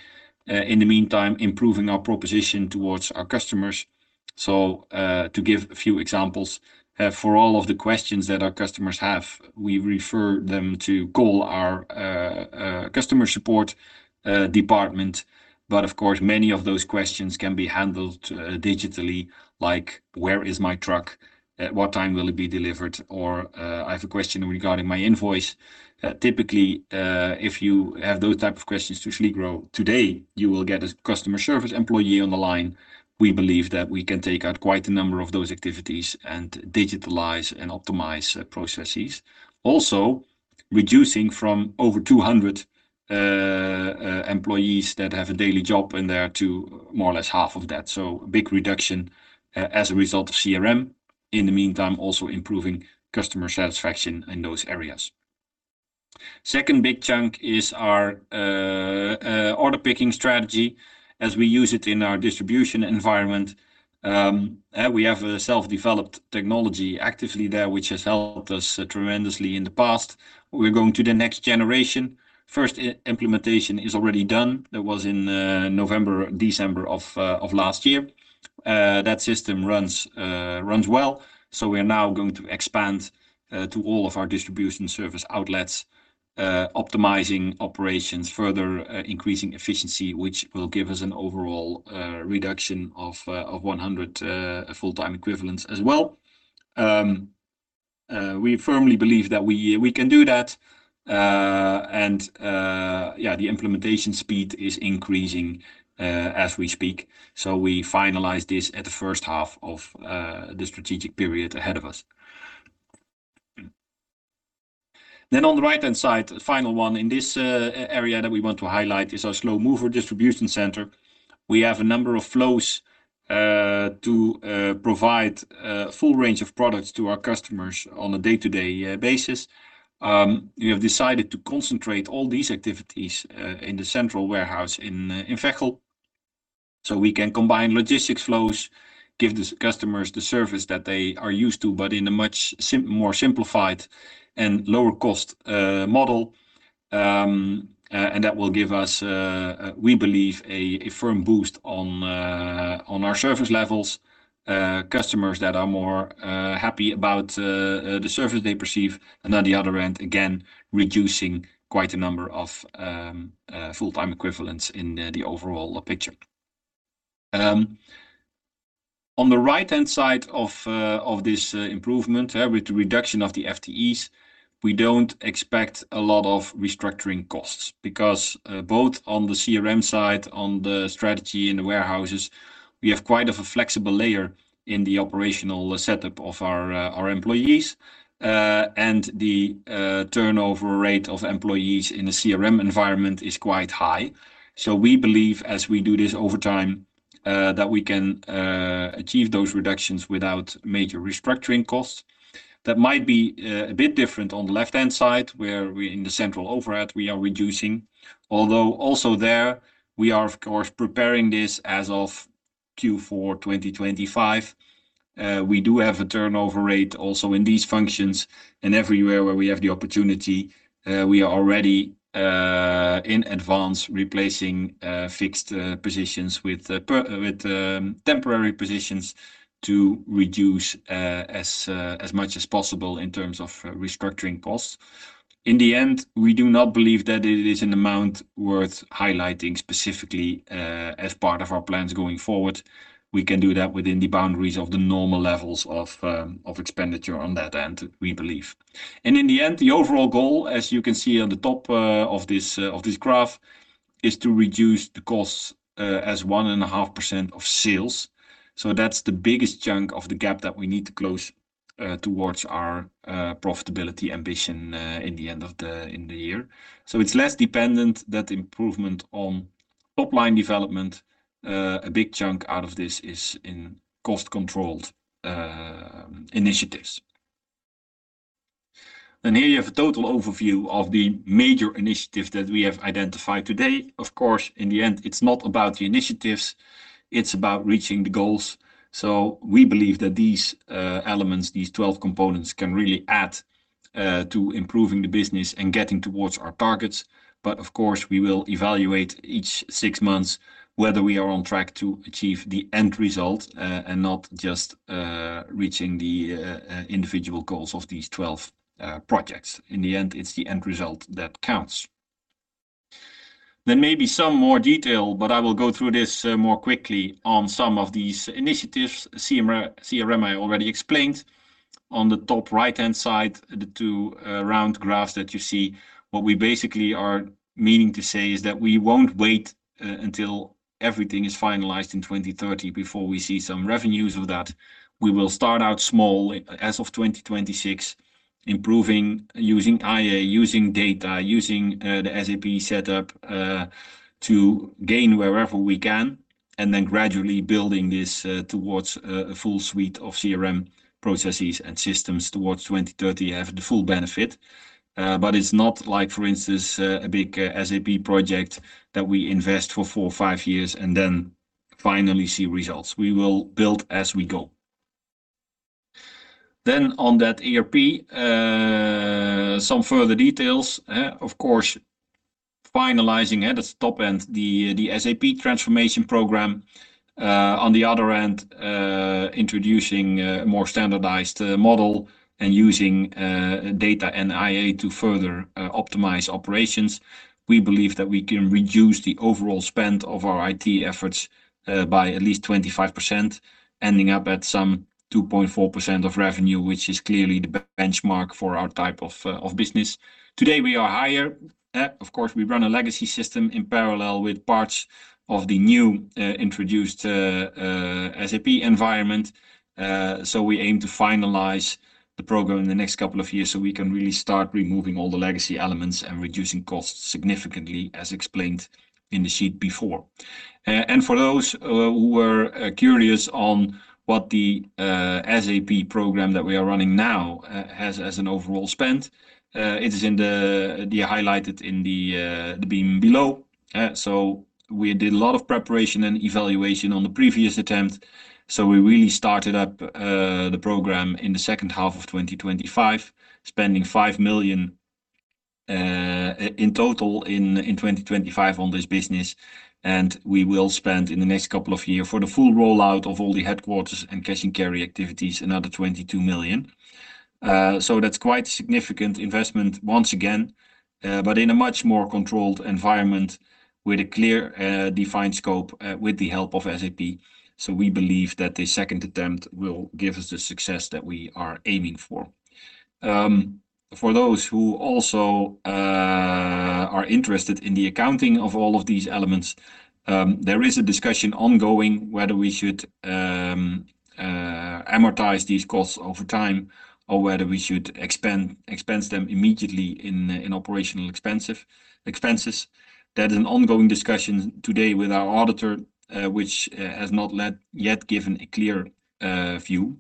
in the meantime, improving our proposition towards our customers. To give a few examples, for all of the questions that our customers have, we refer them to call our customer support department. Of course, many of those questions can be handled digitally, like, "Where is my truck? At what time will it be delivered?" Or, "I have a question regarding my invoice." Typically, if you have those type of questions to Sligro today, you will get a customer service employee on the line. We believe that we can take out quite a number of those activities and digitalize and optimize processes. Also reducing from over 200 employees that have a daily job in there to more or less half of that. Big reduction as a result of CRM, in the meantime, also improving customer satisfaction in those areas. Second big chunk is our order picking strategy as we use it in our distribution environment. We have a self-developed technology actively there, which has helped us tremendously in the past. We're going to the next generation. First implementation is already done. That was in November, December of last year. That system runs well. We are now going to expand to all of our distribution service outlets, optimizing operations, further increasing efficiency, which will give us an overall reduction of 100 full-time equivalents as well. We firmly believe that we can do that, and yeah, the implementation speed is increasing as we speak. We finalize this at the first half of the strategic period ahead of us. On the right-hand side, the final one in this area that we want to highlight is our slow mover distribution center. We have a number of flows to provide a full range of products to our customers on a day-to-day basis. We have decided to concentrate all these activities in the central warehouse in Veghel. We can combine logistics flows, give the customers the service that they are used to, but in a much more simplified and lower cost model. And that will give us, we believe a firm boost on our service levels. Customers that are more happy about the service they perceive. On the other end, again, reducing quite a number of full-time equivalents in the overall picture. On the right-hand side of this improvement, with the reduction of the FTEs, we don't expect a lot of restructuring costs because both on the CRM side, on the strategy in the warehouses, we have quite of a flexible layer in the operational setup of our employees. The turnover rate of employees in the CRM environment is quite high. We believe as we do this over time that we can achieve those reductions without major restructuring costs. That might be a bit different on the left-hand side where in the central overhead, we are reducing. Although also there we are of course preparing this as of Q4 2025. We do have a turnover rate also in these functions. Everywhere where we have the opportunity, we are already in advance replacing fixed positions with temporary positions to reduce as much as possible in terms of restructuring costs. In the end, we do not believe that it is an amount worth highlighting specifically as part of our plans going forward. We can do that within the boundaries of the normal levels of expenditure on that end, we believe. In the end, the overall goal, as you can see on the top of this graph, is to reduce the costs as 1.5% of sales. That's the biggest chunk of the gap that we need to close towards our profitability ambition in the end of the year. It's less dependent that improvement on top-line development. A big chunk out of this is in cost-controlled initiatives. Here you have a total overview of the major initiatives that we have identified today. Of course, in the end, it's not about the initiatives, it's about reaching the goals. We believe that these elements, these 12 components, can really add to improving the business and getting towards our targets. Of course, we will evaluate each six months whether we are on track to achieve the end result and not just reaching the individual goals of these 12 projects. In the end, it's the end result that counts. There may be some more detail, but I will go through this more quickly on some of these initiatives. CRM, I already explained. On the top right-hand side, the two round graphs that you see. What we basically are meaning to say is that we won't wait until everything is finalized in 2030 before we see some revenues of that. We will start out small as of 2026, improving using AI, using data, using the SAP setup to gain wherever we can. Then gradually building this towards a full suite of CRM processes and systems towards 2030 to have the full benefit. But it's not like, for instance, a big SAP project that we invest for four or five years and then finally see results. We will build as we go. On that ERP, some further details. Of course, finalizing, at the top end, the SAP transformation program. On the other end, introducing a more standardized model and using data and AI to further optimize operations. We believe that we can reduce the overall spend of our IT efforts by at least 25%, ending up at some 2.4% of revenue, which is clearly the benchmark for our type of business. Today, we are higher. Of course, we run a legacy system in parallel with parts of the new introduced SAP environment. We aim to finalize the program in the next couple of years, so we can really start removing all the legacy elements and reducing costs significantly, as explained in the sheet before. For those who are curious on what the SAP program that we are running now has as an overall spend, it is in the highlighted in the beam below. We did a lot of preparation and evaluation on the previous attempt. We really started up the program in the second half of 2025, spending 5 million in total in 2025 on this business. We will spend in the next couple of year for the full rollout of all the headquarters and cash and carry activities, another 22 million. That's quite a significant investment once again, but in a much more controlled environment with a clear defined scope with the help of SAP. We believe that the second attempt will give us the success that we are aiming for. For those who also are interested in the accounting of all of these elements. There is a discussion ongoing whether we should amortize these costs over time or whether we should expense them immediately in operational expenses. That is an ongoing discussion today with our auditor, which has not yet given a clear view.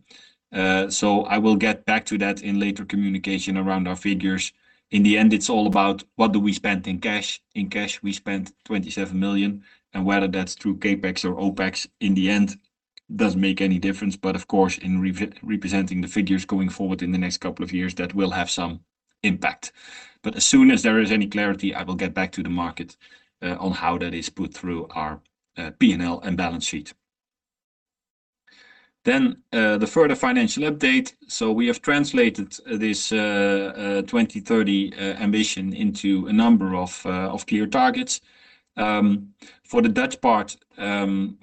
I will get back to that in later communication around our figures. In the end, it's all about what do we spend in cash. In cash, we spent 27 million, and whether that's through CapEx or OpEx in the end doesn't make any difference. Of course, in representing the figures going forward in the next couple of years, that will have some impact. As soon as there is any clarity, I will get back to the market on how that is put through our P&L and balance sheet. The further financial update. We have translated this 2030 ambition into a number of clear targets. For the Dutch part,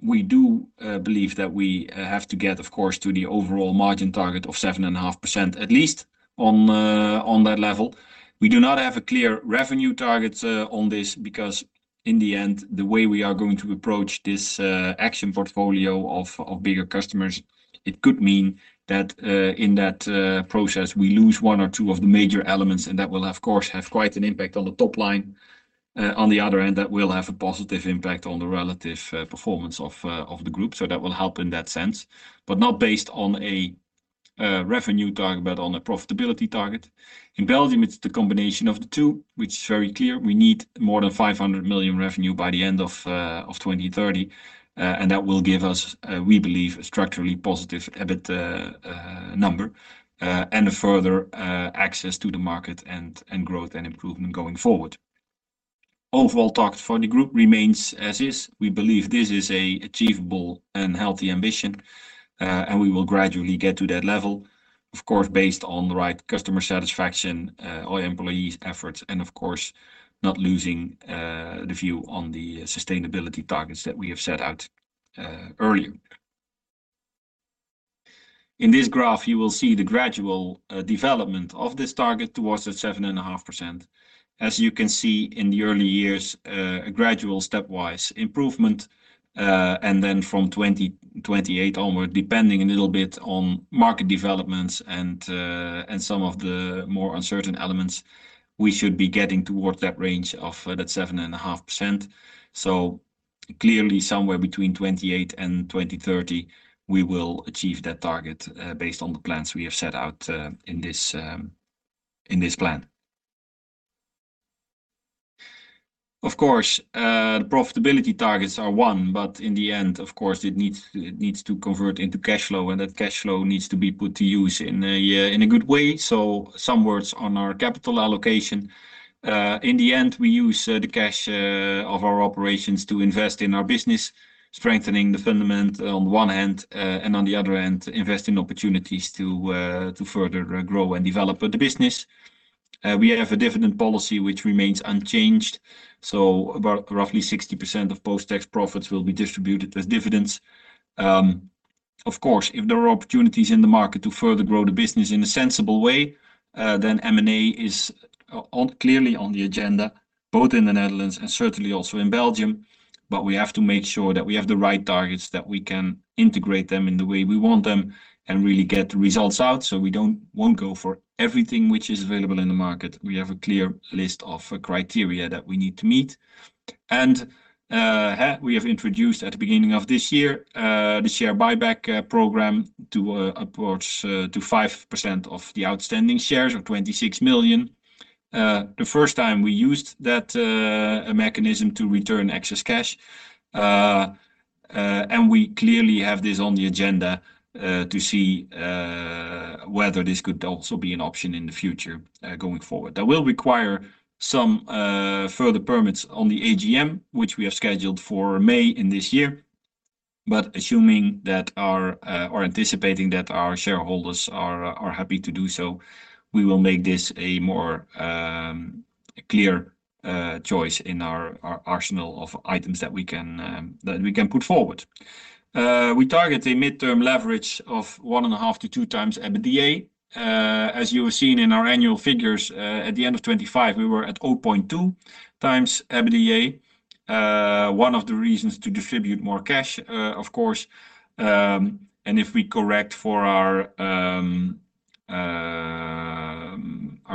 we do believe that we have to get, of course, to the overall margin target of 7.5%, at least on that level. We do not have a clear revenue target on this because in the end, the way we are going to approach this action portfolio of bigger customers, it could mean that in that process, we lose one or two of the major elements, and that will of course have quite an impact on the top line. On the other end, that will have a positive impact on the relative performance of the group. That will help in that sense. Not based on a revenue target, but on a profitability target. In Belgium, it's the combination of the two which is very clear. We need more than 500 million revenue by the end of 2030. That will give us, we believe, a structurally positive EBIT number and a further access to the market and growth and improvement going forward. Overall target for the group remains as is. We believe this is a achievable and healthy ambition, and we will gradually get to that level, of course, based on the right customer satisfaction, all employees' efforts, and of course, not losing, the view on the sustainability targets that we have set out, earlier. In this graph, you will see the gradual development of this target towards the 7.5%. As you can see in the early years, a gradual stepwise improvement. From 2028 onward, depending a little bit on market developments and some of the more uncertain elements, we should be getting towards that range of that 7.5%. Clearly, somewhere between 2028 and 2030, we will achieve that target, based on the plans we have set out, in this, in this plan. Of course, the profitability targets are one, but in the end, of course, it needs to convert into cash flow, and that cash flow needs to be put to use in a good way. Some words on our capital allocation. In the end, we use the cash of our operations to invest in our business, strengthening the fundament on one end, and on the other end, invest in opportunities to further grow and develop the business. We have a dividend policy which remains unchanged. About roughly 60% of post-tax profits will be distributed as dividends. Of course, if there are opportunities in the market to further grow the business in a sensible way, then M&A is clearly on the agenda, both in the Netherlands and certainly also in Belgium. We have to make sure that we have the right targets, that we can integrate them in the way we want them and really get results out. We won't go for everything which is available in the market. We have a clear list of criteria that we need to meet. We have introduced at the beginning of this year the share buyback program to approach to 5% of the outstanding shares of 26 million. The first time we used that mechanism to return excess cash. We clearly have this on the agenda to see whether this could also be an option in the future going forward. That will require some further permits on the AGM, which we have scheduled for May in this year. Assuming that our or anticipating that our shareholders are happy to do so, we will make this a more clear choice in our arsenal of items that we can put forward. We target a midterm leverage of 1.5x to 2x EBITDA. As you have seen in our annual figures, at the end of 2025, we were at 0.2x EBITDA. One of the reasons to distribute more cash, of course. If we correct for our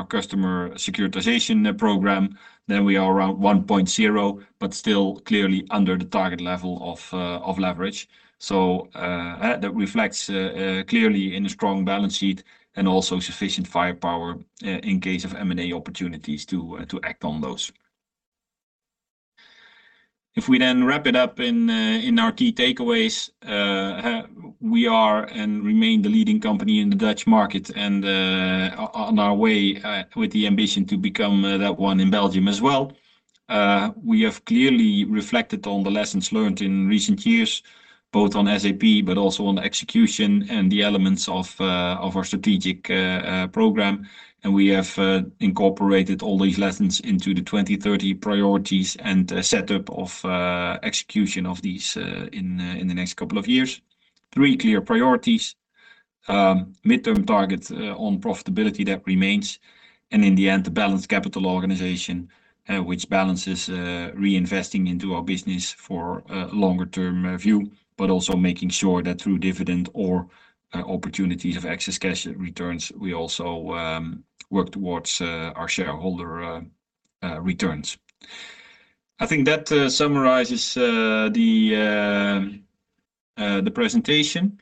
customer securitization program, then we are around 1.0x, but still clearly under the target level of leverage. That reflects clearly in a strong balance sheet and also sufficient firepower in case of M&A opportunities to act on those. If we wrap it up in our key takeaways, we are and remain the leading company in the Dutch market and on our way with the ambition to become that one in Belgium as well. We have clearly reflected on the lessons learned in recent years, both on SAP but also on the execution and the elements of our strategic program. We have incorporated all these lessons into the 2030 priorities and setup of execution of these in the next couple of years. Three clear priorities. Midterm target on profitability that remains. In the end, the balanced capital organization, which balances reinvesting into our business for a longer-term view, but also making sure that through dividend or opportunities of excess cash returns, we also work towards our shareholder returns. I think that summarizes the presentation.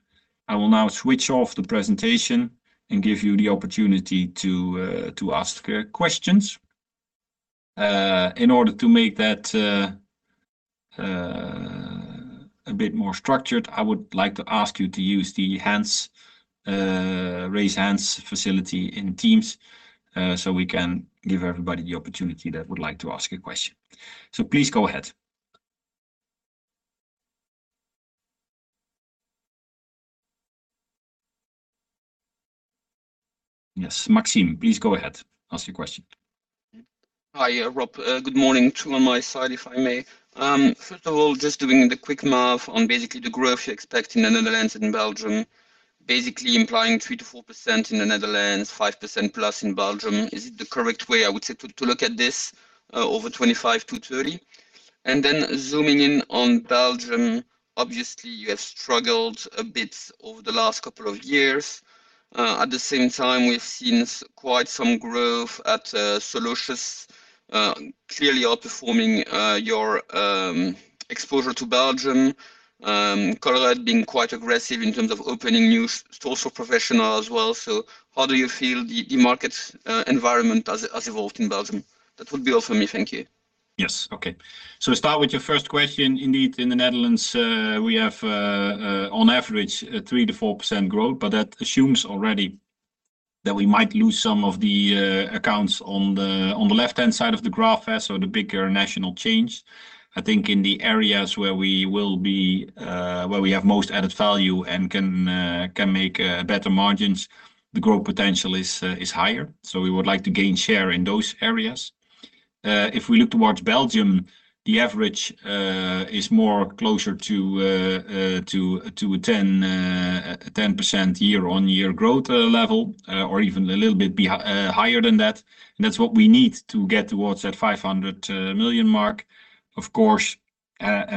I will now switch off the presentation and give you the opportunity to ask questions. In order to make that a bit more structured, I would like to ask you to use the Hands, Raise Hands facility in Teams, so we can give everybody the opportunity that would like to ask a question. Please go ahead. Yes, Maxime, please go ahead. Ask your question. Hiya, Rob. Good morning to on my side, if I may. First of all, just doing the quick math on basically the growth you expect in the Netherlands and in Belgium, basically implying 3%-4% in the Netherlands, 5%+ in Belgium. Is it the correct way, I would say, to look at this, over 2025-2030? Zooming in on Belgium, obviously you have struggled a bit over the last couple of years. At the same time, we've seen quite some growth at Solucious, clearly outperforming your exposure to Belgium. Colruyt being quite aggressive in terms of opening new stores for professional as well. How do you feel the market environment has evolved in Belgium? That would be all for me. Thank you. Yes. Okay. Start with your first question. Indeed, in the Netherlands, we have on average a 3%-4% growth, but that assumes already that we might lose some of the accounts on the left-hand side of the graph, so the bigger national chains. I think in the areas where we have most added value and can make better margins, the growth potential is higher. We would like to gain share in those areas. If we look towards Belgium, the average is more closer to a 10% year-over-year growth level, or even a little bit higher than that. That's what we need to get towards that 500 million mark. Of course,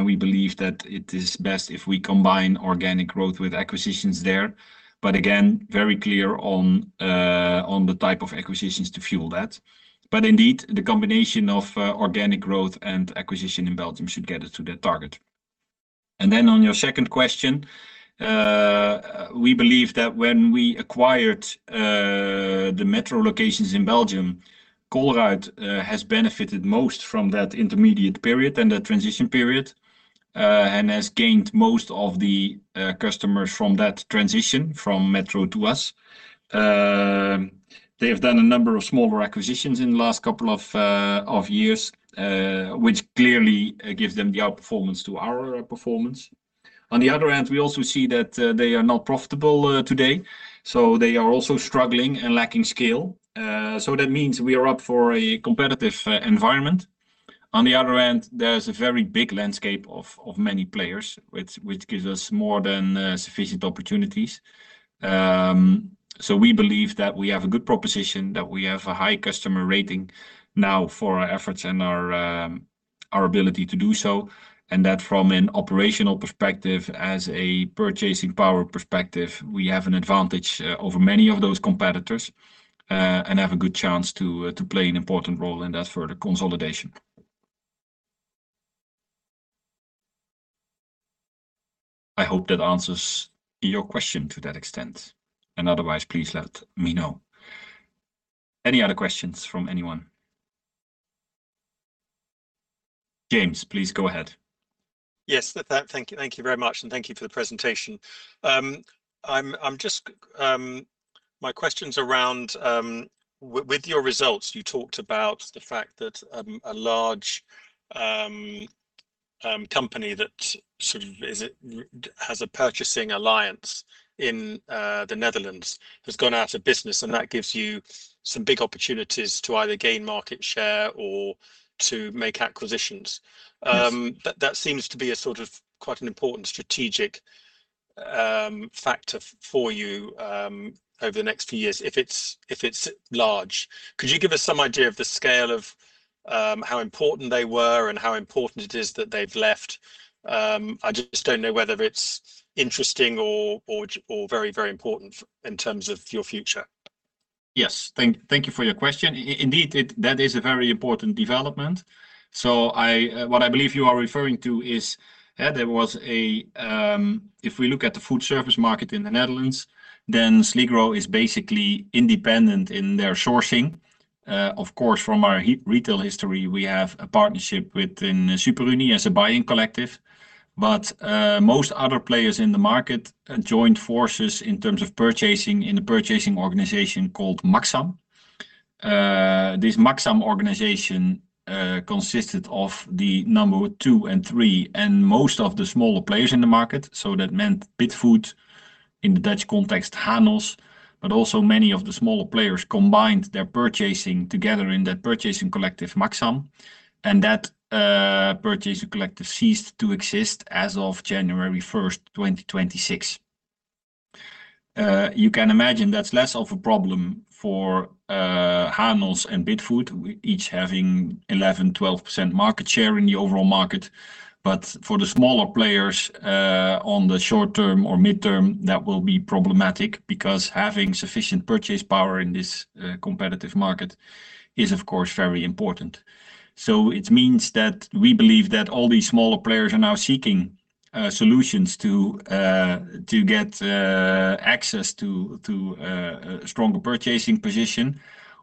we believe that it is best if we combine organic growth with acquisitions there. Again, very clear on the type of acquisitions to fuel that. Indeed, the combination of organic growth and acquisition in Belgium should get us to that target. On your second question, we believe that when we acquired the Metro locations in Belgium, Colruyt has benefited most from that intermediate period and the transition period and has gained most of the customers from that transition from Metro to us. They have done a number of smaller acquisitions in the last couple of years, which clearly gives them the outperformance to our outperformance. On the other hand, we also see that they are not profitable today, so they are also struggling and lacking scale. That means we are up for a competitive environment. On the other hand, there's a very big landscape of many players, which gives us more than sufficient opportunities. We believe that we have a good proposition, that we have a high customer rating now for our efforts and our ability to do so, and that from an operational perspective, as a purchasing power perspective, we have an advantage over many of those competitors and have a good chance to play an important role in that further consolidation. I hope that answers your question to that extent. Otherwise, please let me know. Any other questions from anyone? James, please go ahead. Yes. Thank you. Thank you very much, and thank you for the presentation. My question's around with your results, you talked about the fact that a large company that sort of has a purchasing alliance in the Netherlands has gone out of business, and that gives you some big opportunities to either gain market share or to make acquisitions. Yes. That seems to be a sort of quite an important strategic factor for you over the next few years, if it's large. Could you give us some idea of the scale of how important they were and how important it is that they've left? I just don't know whether it's interesting or very important in terms of your future. Yes. Thank you for your question. Indeed, that is a very important development. What I believe you are referring to is, there was a... If we look at the foodservice market in the Netherlands, Sligro is basically independent in their sourcing. Of course, from our retail history, we have a partnership within Superunie as a buying collective. Most other players in the market joined forces in terms of purchasing in the purchasing organization called Maxxam. This Maxxam organization consisted of the number two and three and most of the smaller players in the market. That meant context, Hanos, but also many of the smaller players combined their purchasing together in that purchasing collective, Maxxam, and that purchasing collective ceased to exist as of January 1st, 2026. You can imagine that's less of a problem for Hanos and Bidfood, each having 11%, 12% market share in the overall market. For the smaller players, on the short term or mid-term, that will be problematic because having sufficient purchase power in this competitive market is, of course, very important. It means that we believe that all these smaller players are now seeking solutions to get access to stronger purchasing position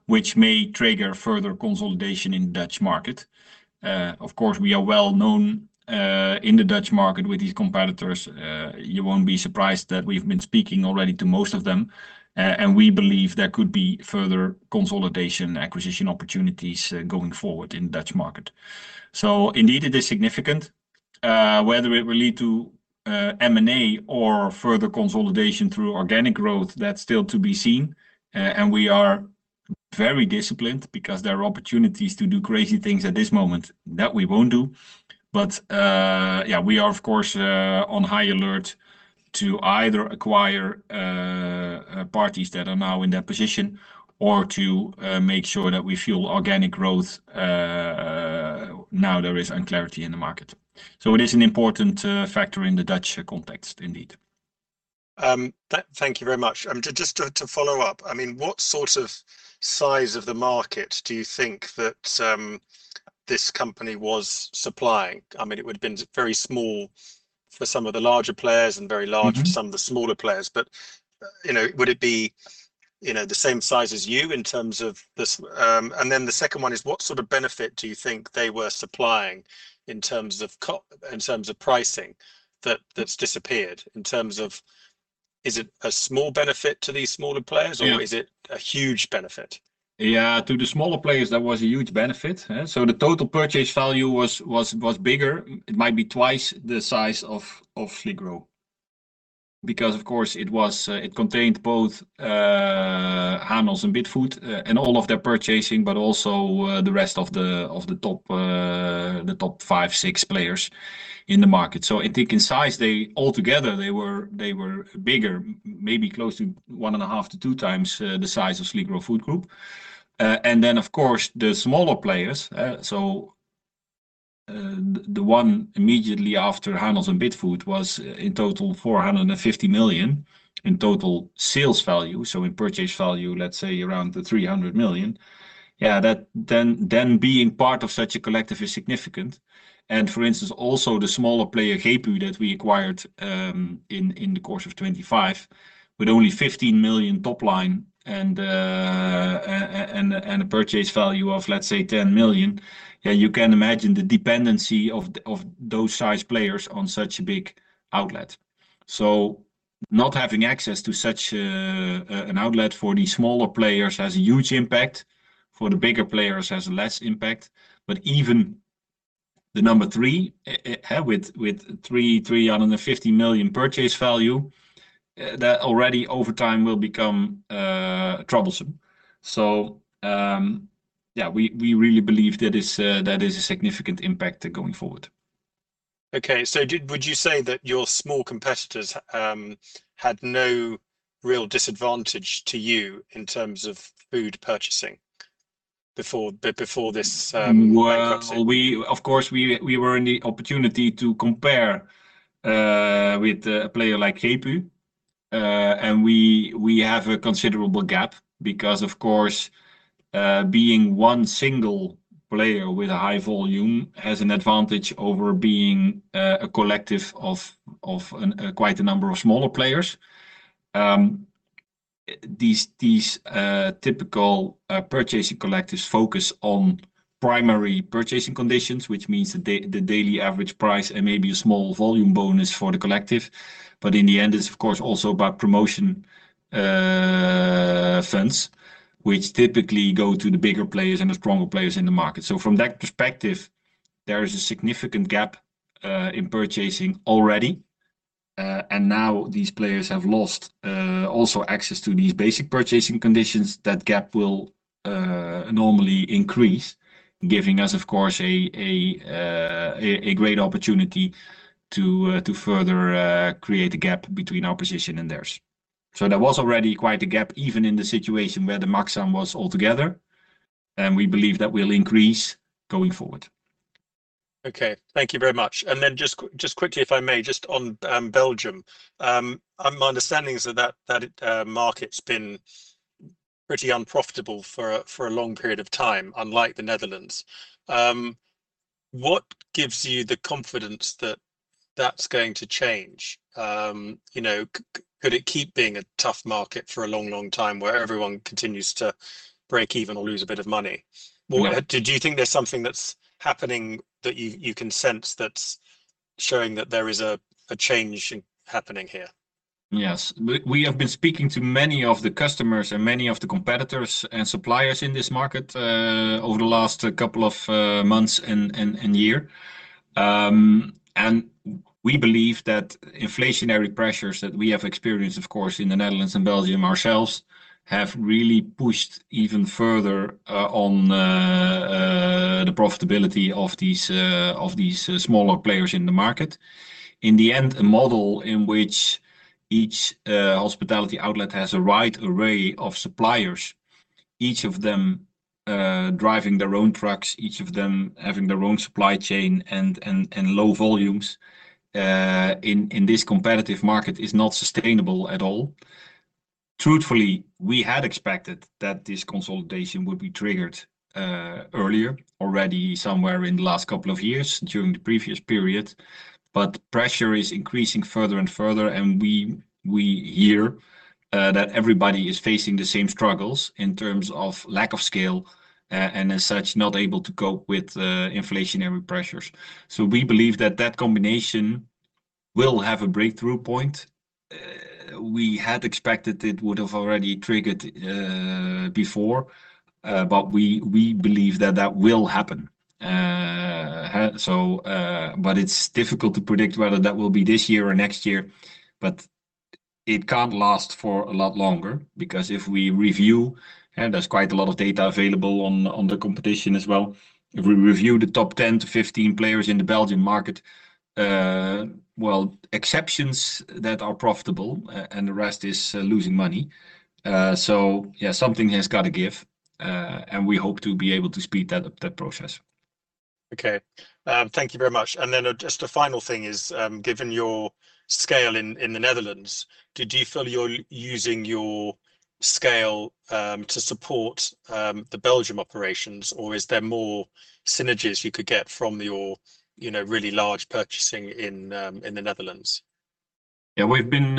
which may trigger further consolidation in Dutch market. Of course, we are well-known in the Dutch market with these competitors. You won't be surprised that we've been speaking already to most of them, and we believe there could be further consolidation, acquisition opportunities, going forward in Dutch market. Indeed it is significant. Whether it will lead to M&A or further consolidation through organic growth, that's still to be seen. We are very disciplined because there are opportunities to do crazy things at this moment that we won't do. Yeah, we are of course, on high alert to either acquire parties that are now in that position or to make sure that we fuel organic growth, now there is unclarity in the market. It is an important factor in the Dutch context indeed. Thank you very much. Just to follow up, I mean, what sort of size of the market do you think that this company was supplying? I mean, it would have been very small for some of the larger players and very large-. Mm-hmm ...for some of the smaller players. You know, would it be, you know, the same size as you in terms of the. The second one is what sort of benefit do you think they were supplying in terms of in terms of pricing that's disappeared in terms of is it a small benefit to these smaller players? Yeah ...or is it a huge benefit? To the smaller players, that was a huge benefit. The total purchase value was bigger. It might be twice the size of Sligro. Of course it was, it contained both Hanos and Bidfood and all of their purchasing, but also the rest of the top, the top five, six players in the market. I think in size they altogether they were bigger, maybe close to one and a half to two times the size of Sligro Food Group. Of course, the smaller players. The one immediately after Hanos and Bidfood was in total 450 million in total sales value. In purchase value, let's say around 300 million. That then being part of such a collective is significant. For instance, also the smaller player, GEPU, that we acquired in the course of 2025 with only 15 million top line and a purchase value of, let's say 10 million. Yeah, you can imagine the dependency of those size players on such a big outlet. Not having access to such an outlet for these smaller players has a huge impact. For the bigger players, has less impact. Even the number three with 350 million purchase value, that already over time will become troublesome. Yeah, we really believe that is a significant impact going forward. Okay. would you say that your small competitors had no real disadvantage to you in terms of food purchasing before this, bankruptcy? We were in the opportunity to compare with a player like GEPU. We have a considerable gap because of course, being one single player with a high volume has an advantage over being a collective of a quite a number of smaller players. These typical purchasing collectives focus on primary purchasing conditions, which means the daily average price and maybe a small volume bonus for the collective. In the end, it's of course also about promotion funds which typically go to the bigger players and the stronger players in the market. From that perspective, there is a significant gap in purchasing already. Now these players have lost also access to these basic purchasing conditions. That gap will normally increase, giving us of course a great opportunity to further create a gap between our position and theirs. There was already quite a gap even in the situation where the Maxxam was altogether, and we believe that will increase going forward. Okay. Thank you very much. Then just quickly if I may, just on Belgium. My understanding is that market's been pretty unprofitable for a long period of time, unlike the Netherlands. What gives you the confidence that that's going to change? You know, could it keep being a tough market for a long, long time where everyone continues to break even or lose a bit of money? Yeah. Do you think there's something that's happening that you can sense that's showing that there is a change happening here? Yes. We have been speaking to many of the customers and many of the competitors and suppliers in this market over the last couple of months and year. We believe that inflationary pressures that we have experienced, of course, in the Netherlands and Belgium ourselves have really pushed even further on the profitability of these smaller players in the market. In the end, a model in which each hospitality outlet has a wide array of suppliers, each of them driving their own trucks, each of them having their own supply chain and low volumes in this competitive market is not sustainable at all. Truthfully, we had expected that this consolidation would be triggered earlier, already somewhere in the last couple of years during the previous period. Pressure is increasing further and further, and we hear that everybody is facing the same struggles in terms of lack of scale and as such, not able to cope with inflationary pressures. We believe that that combination will have a breakthrough point. We had expected it would have already triggered before, but we believe that that will happen. It's difficult to predict whether that will be this year or next year, but it can't last for a lot longer because if we review and there's quite a lot of data available on the competition as well. If we review the top 10-15 players in the Belgian market, well, exceptions that are profitable and the rest is losing money. Yeah, something has gotta give, and we hope to be able to speed that up, that process. Okay. Thank you very much. Just a final thing is, given your scale in the Netherlands, do you feel you're using your scale to support the Belgium operations, or is there more synergies you could get from your, you know, really large purchasing in the Netherlands? Yeah, we've been,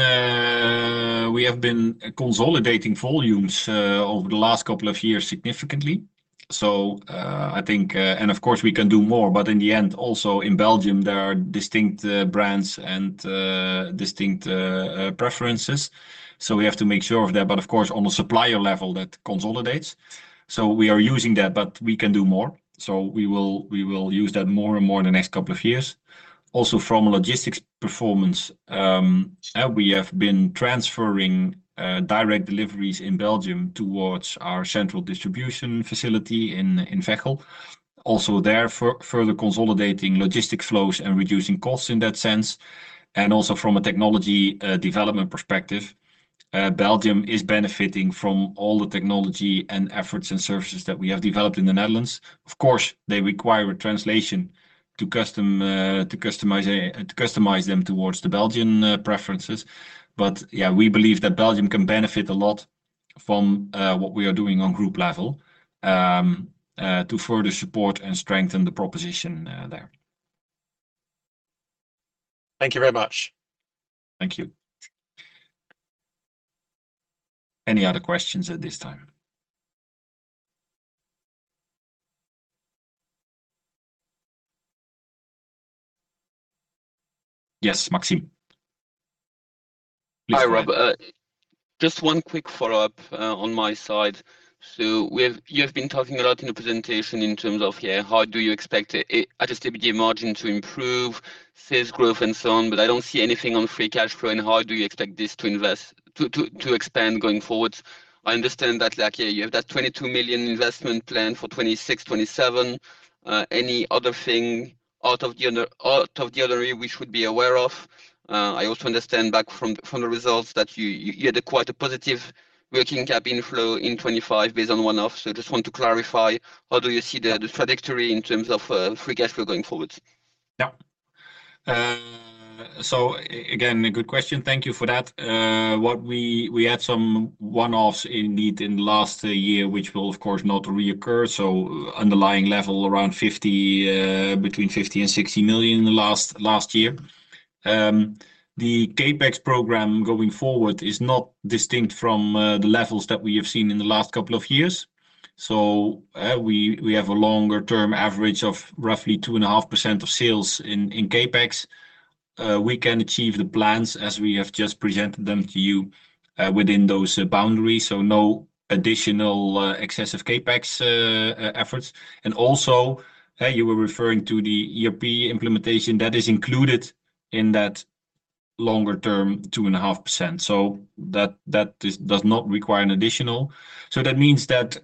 we have been consolidating volumes over the last couple of years significantly. I think, of course we can do more. In the end, also in Belgium, there are distinct brands and distinct preferences, we have to make sure of that. Of course, on a supplier level, that consolidates. We are using that, we can do more. We will use that more and more in the next couple of years. Also from a logistics performance, we have been transferring direct deliveries in Belgium towards our central distribution facility in Veghel. Also there further consolidating logistic flows and reducing costs in that sense. Also from a technology development perspective, Belgium is benefiting from all the technology and efforts and services that we have developed in the Netherlands. Of course, they require translation to customize them towards the Belgian preferences. Yeah, we believe that Belgium can benefit a lot from what we are doing on group level to further support and strengthen the proposition there. Thank you very much. Thank you. Any other questions at this time? Yes, Maxime. Please go on. Hi, Rob. Just one quick follow-up on my side. You have been talking a lot in the presentation in terms of, yeah, how do you expect a adjusted EBITDA margin to improve, sales growth and so on, but I don't see anything on free cash flow. How do you expect this to expand going forward? I understand that, like, yeah, you have that 22 million investment plan for 2026, 2027. Any other thing out of the other we should be aware of? I also understand back from the results that you had a quite a positive working capital flow in 2025 based on one-off. Just want to clarify, how do you see the trajectory in terms of free cash flow going forward? Again, a good question. Thank you for that. We had some one-offs indeed in the last year, which will of course not reoccur. Underlying level around 50 million, between 50 million and 60 million in the last year. The CapEx program going forward is not distinct from the levels that we have seen in the last couple of years. We have a longer-term average of roughly 2.5% of sales in CapEx. We can achieve the plans as we have just presented them to you within those boundaries. No additional, excessive CapEx efforts. You were referring to the ERP implementation that is included in that longer term, 2.5%, that does not require an additional. That means that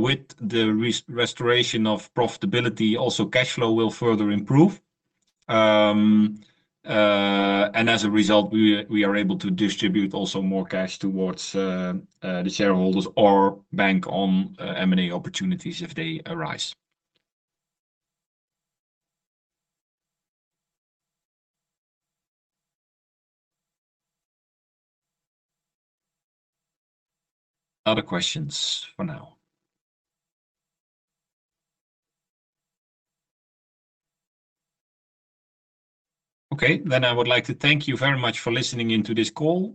with the restoration of profitability, also cash flow will further improve. As a result, we are able to distribute also more cash towards the shareholders or bank on M&A opportunities if they arise. Other questions for now? Okay. I would like to thank you very much for listening in to this call.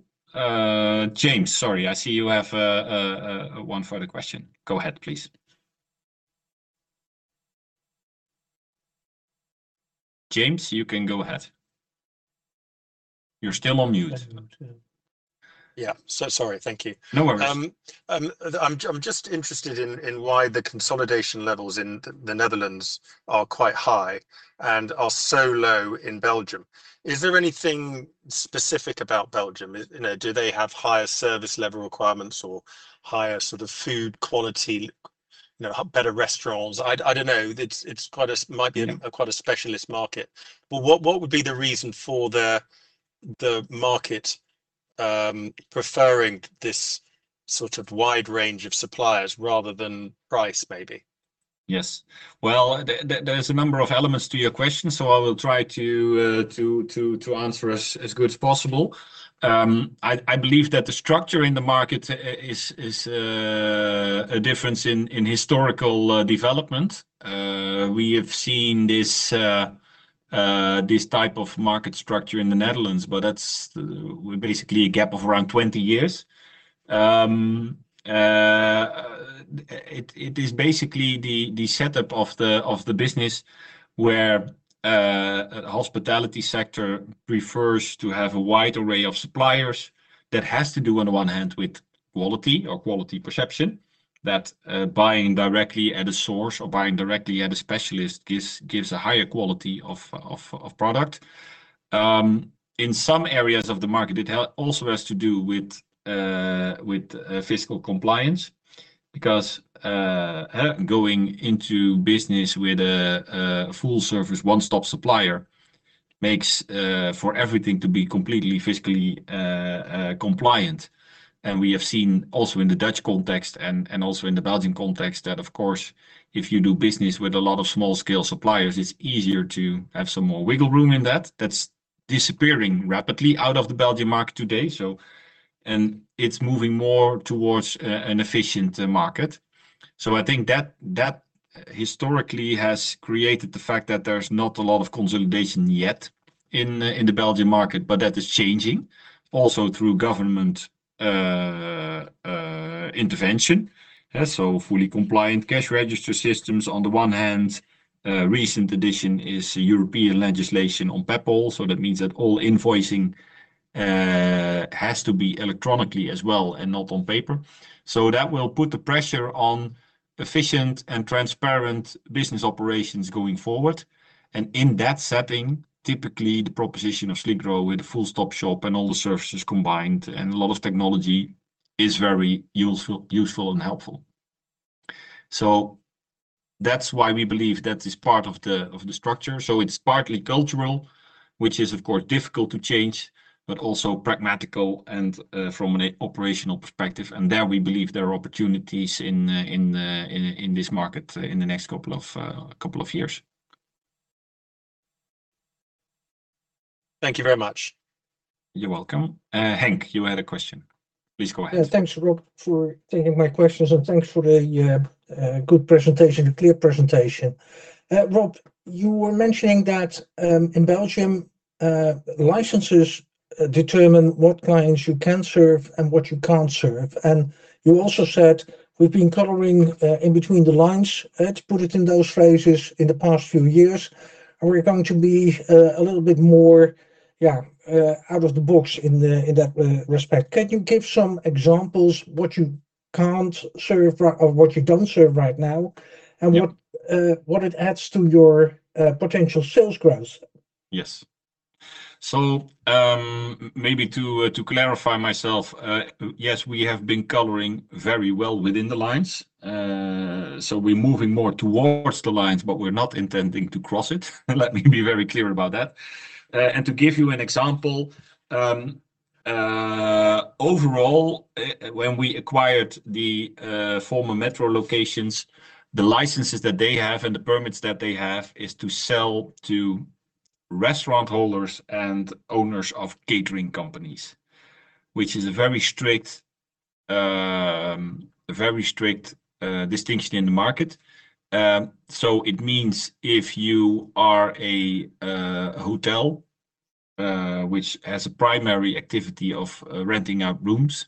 James, sorry, I see you have one further question. Go ahead, please. James, you can go ahead. You're still on mute. Yeah. Sorry. Thank you. No worries. I'm just interested in why the consolidation levels in the Netherlands are quite high and are so low in Belgium. Is there anything specific about Belgium? You know, do they have higher service level requirements or higher sort of food quality? You know, better restaurants? I don't know. It's quite a specialist market. What would be the reason for the market preferring this sort of wide range of suppliers rather than price maybe? Yes. Well, there's a number of elements to your question. I will try to answer as good as possible. I believe that the structure in the market is a difference in historical development. We have seen this type of market structure in the Netherlands, but that's basically a gap of around 20 years. It is basically the setup of the business where Hospitality sector prefers to have a wide array of suppliers that has to do on the one hand with quality or quality perception that buying directly at a source or buying directly at a specialist gives a higher quality of product. In some areas of the market, it also has to do with fiscal compliance because going into business with a full-service one-stop supplier makes for everything to be completely fiscally compliant. We have seen also in the Dutch context and also in the Belgian context that of course, if you do business with a lot of small-scale suppliers, it's easier to have some more wiggle room in that. That's disappearing rapidly out of the Belgian market today. It's moving more towards an efficient market. I think that historically has created the fact that there's not a lot of consolidation yet in the Belgian market, but that is changing also through government intervention. Fully compliant cash register systems on the one hand, recent addition is European legislation on Peppol. That means that all invoicing has to be electronically as well and not on paper. That will put the pressure on efficient and transparent business operations going forward. In that setting, typically the proposition of Sligro with full stop shop and all the services combined, and a lot of technology is very useful and helpful. That's why we believe that is part of the structure. It's partly cultural, which is of course difficult to change, but also pragmatical and from an operational perspective. There we believe there are opportunities in this market in the next couple of years. Thank you very much. You're welcome. Hank, you had a question. Please go ahead. Yeah. Thanks Rob for taking my questions, and thanks for the good presentation, a clear presentation. Rob, you were mentioning that in Belgium, licenses determine what clients you can serve and what you can't serve. You also said, "We've been coloring in between the lines," to put it in those phrases in the past few years, and we're going to be a little bit more out of the box in the, in that respect. Can you give some examples what you can't serve or what you don't serve right now and what- Yeah... what it adds to your potential sales growth? Yes. Maybe to clarify myself, yes, we have been coloring very well within the lines. We are moving more towards the lines, but we're not intending to cross it. Let me be very clear about that. To give you an example, overall, when we acquired the former Metro locations, the licenses that they have and the permits that they have is to sell to restaurant holders and owners of catering companies, which is a very strict, a very strict distinction in the market. It means if you are a hotel, which has a primary activity of renting out rooms,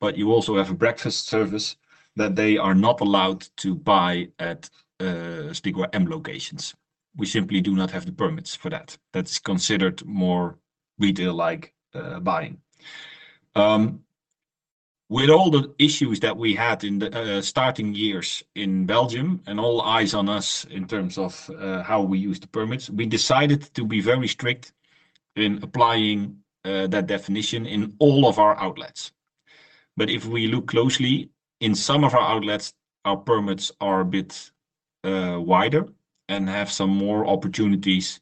but you also have a breakfast service that they are not allowed to buy at Sligro-M locations. We simply do not have the permits for that. That's considered more retail like buying. With all the issues that we had in the starting years in Belgium and all eyes on us in terms of how we use the permits, we decided to be very strict in applying that definition in all of our outlets. If we look closely in some of our outlets, our permits are a bit wider and have some more opportunities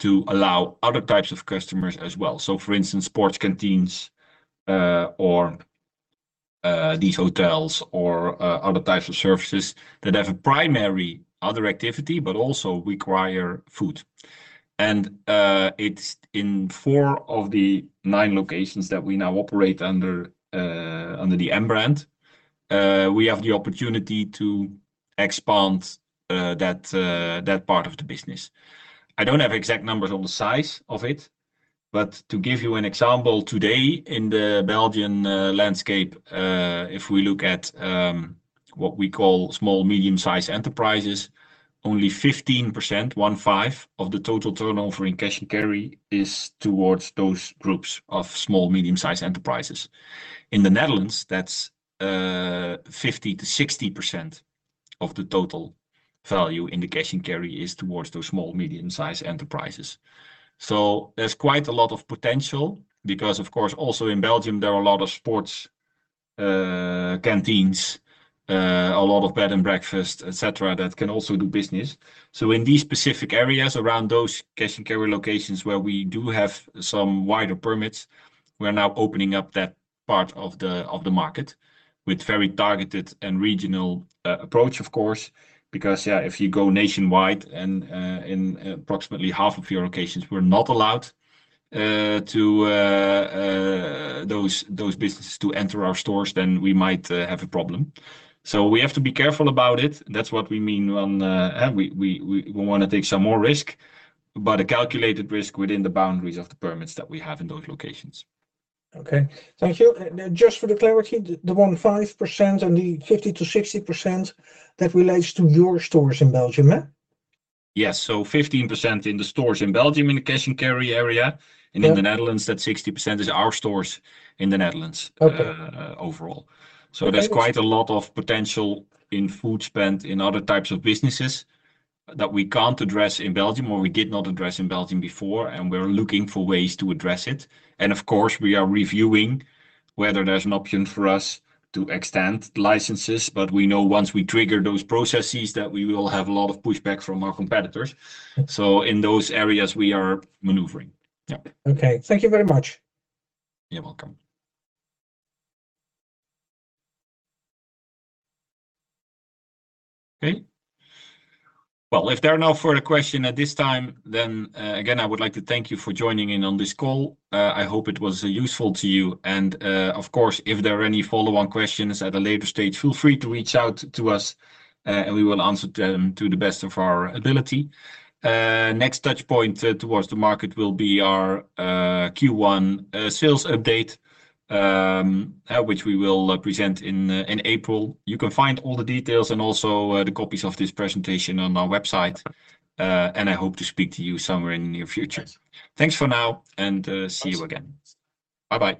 to allow other types of customers as well. For instance, sports canteens, or these hotels or other types of services that have a primary other activity, but also require food. It's in four of the nine locations that we now operate under the M brand. We have the opportunity to expand that part of the business. I don't have exact numbers on the size of it, but to give you an example, today in the Belgian landscape, if we look at what we call small, medium-sized enterprises, only 15% of the total turnover in cash and carry is towards those groups of Small, Medium-Sized enterprises. In the Netherlands, that's 50%-60% of the total value in the cash and carry is towards those Small, Medium-Sized Enterprises. There's quite a lot of potential because of course, also in Belgium there are a lot of sports, canteens, a lot of bed and breakfast, et cetera, that can also do business. In these specific areas around those cash and carry locations where we do have some wider permits, we're now opening up part of the market with very targeted and regional approach, of course. Yeah, if you go nationwide and approximately half of your locations were not allowed to those businesses to enter our stores, then we might have a problem. We have to be careful about it. That's what we mean when we wanna take some more risk, but a calculated risk within the boundaries of the permits that we have in those locations. Okay. Thank you. Just for the clarity, the 15% and the 50%-60%, that relates to your stores in Belgium, huh? Yes. 15% in the stores in Belgium in the cash-and-carry area. Yeah. In the Netherlands, that 60% is our stores in the Netherlands. Okay... overall. Okay. There's quite a lot of potential in food spend, in other types of businesses that we can't address in Belgium or we did not address in Belgium before, and we're looking for ways to address it. Of course, we are reviewing whether there's an option for us to extend licenses. We know once we trigger those processes that we will have a lot of pushback from our competitors. In those areas, we are maneuvering. Yep. Okay. Thank you very much. You're welcome. Okay. Well, if there are no further question at this time, then, again, I would like to thank you for joining in on this call. I hope it was useful to you. Of course, if there are any follow-on questions at a later stage, feel free to reach out to us, and we will answer them to the best of our ability. Next touchpoint towards the market will be our Q1 sales update, which we will present in April. You can find all the details and also the copies of this presentation on our website. I hope to speak to you somewhere in the near future. Thanks for now, see you again. Bye-bye.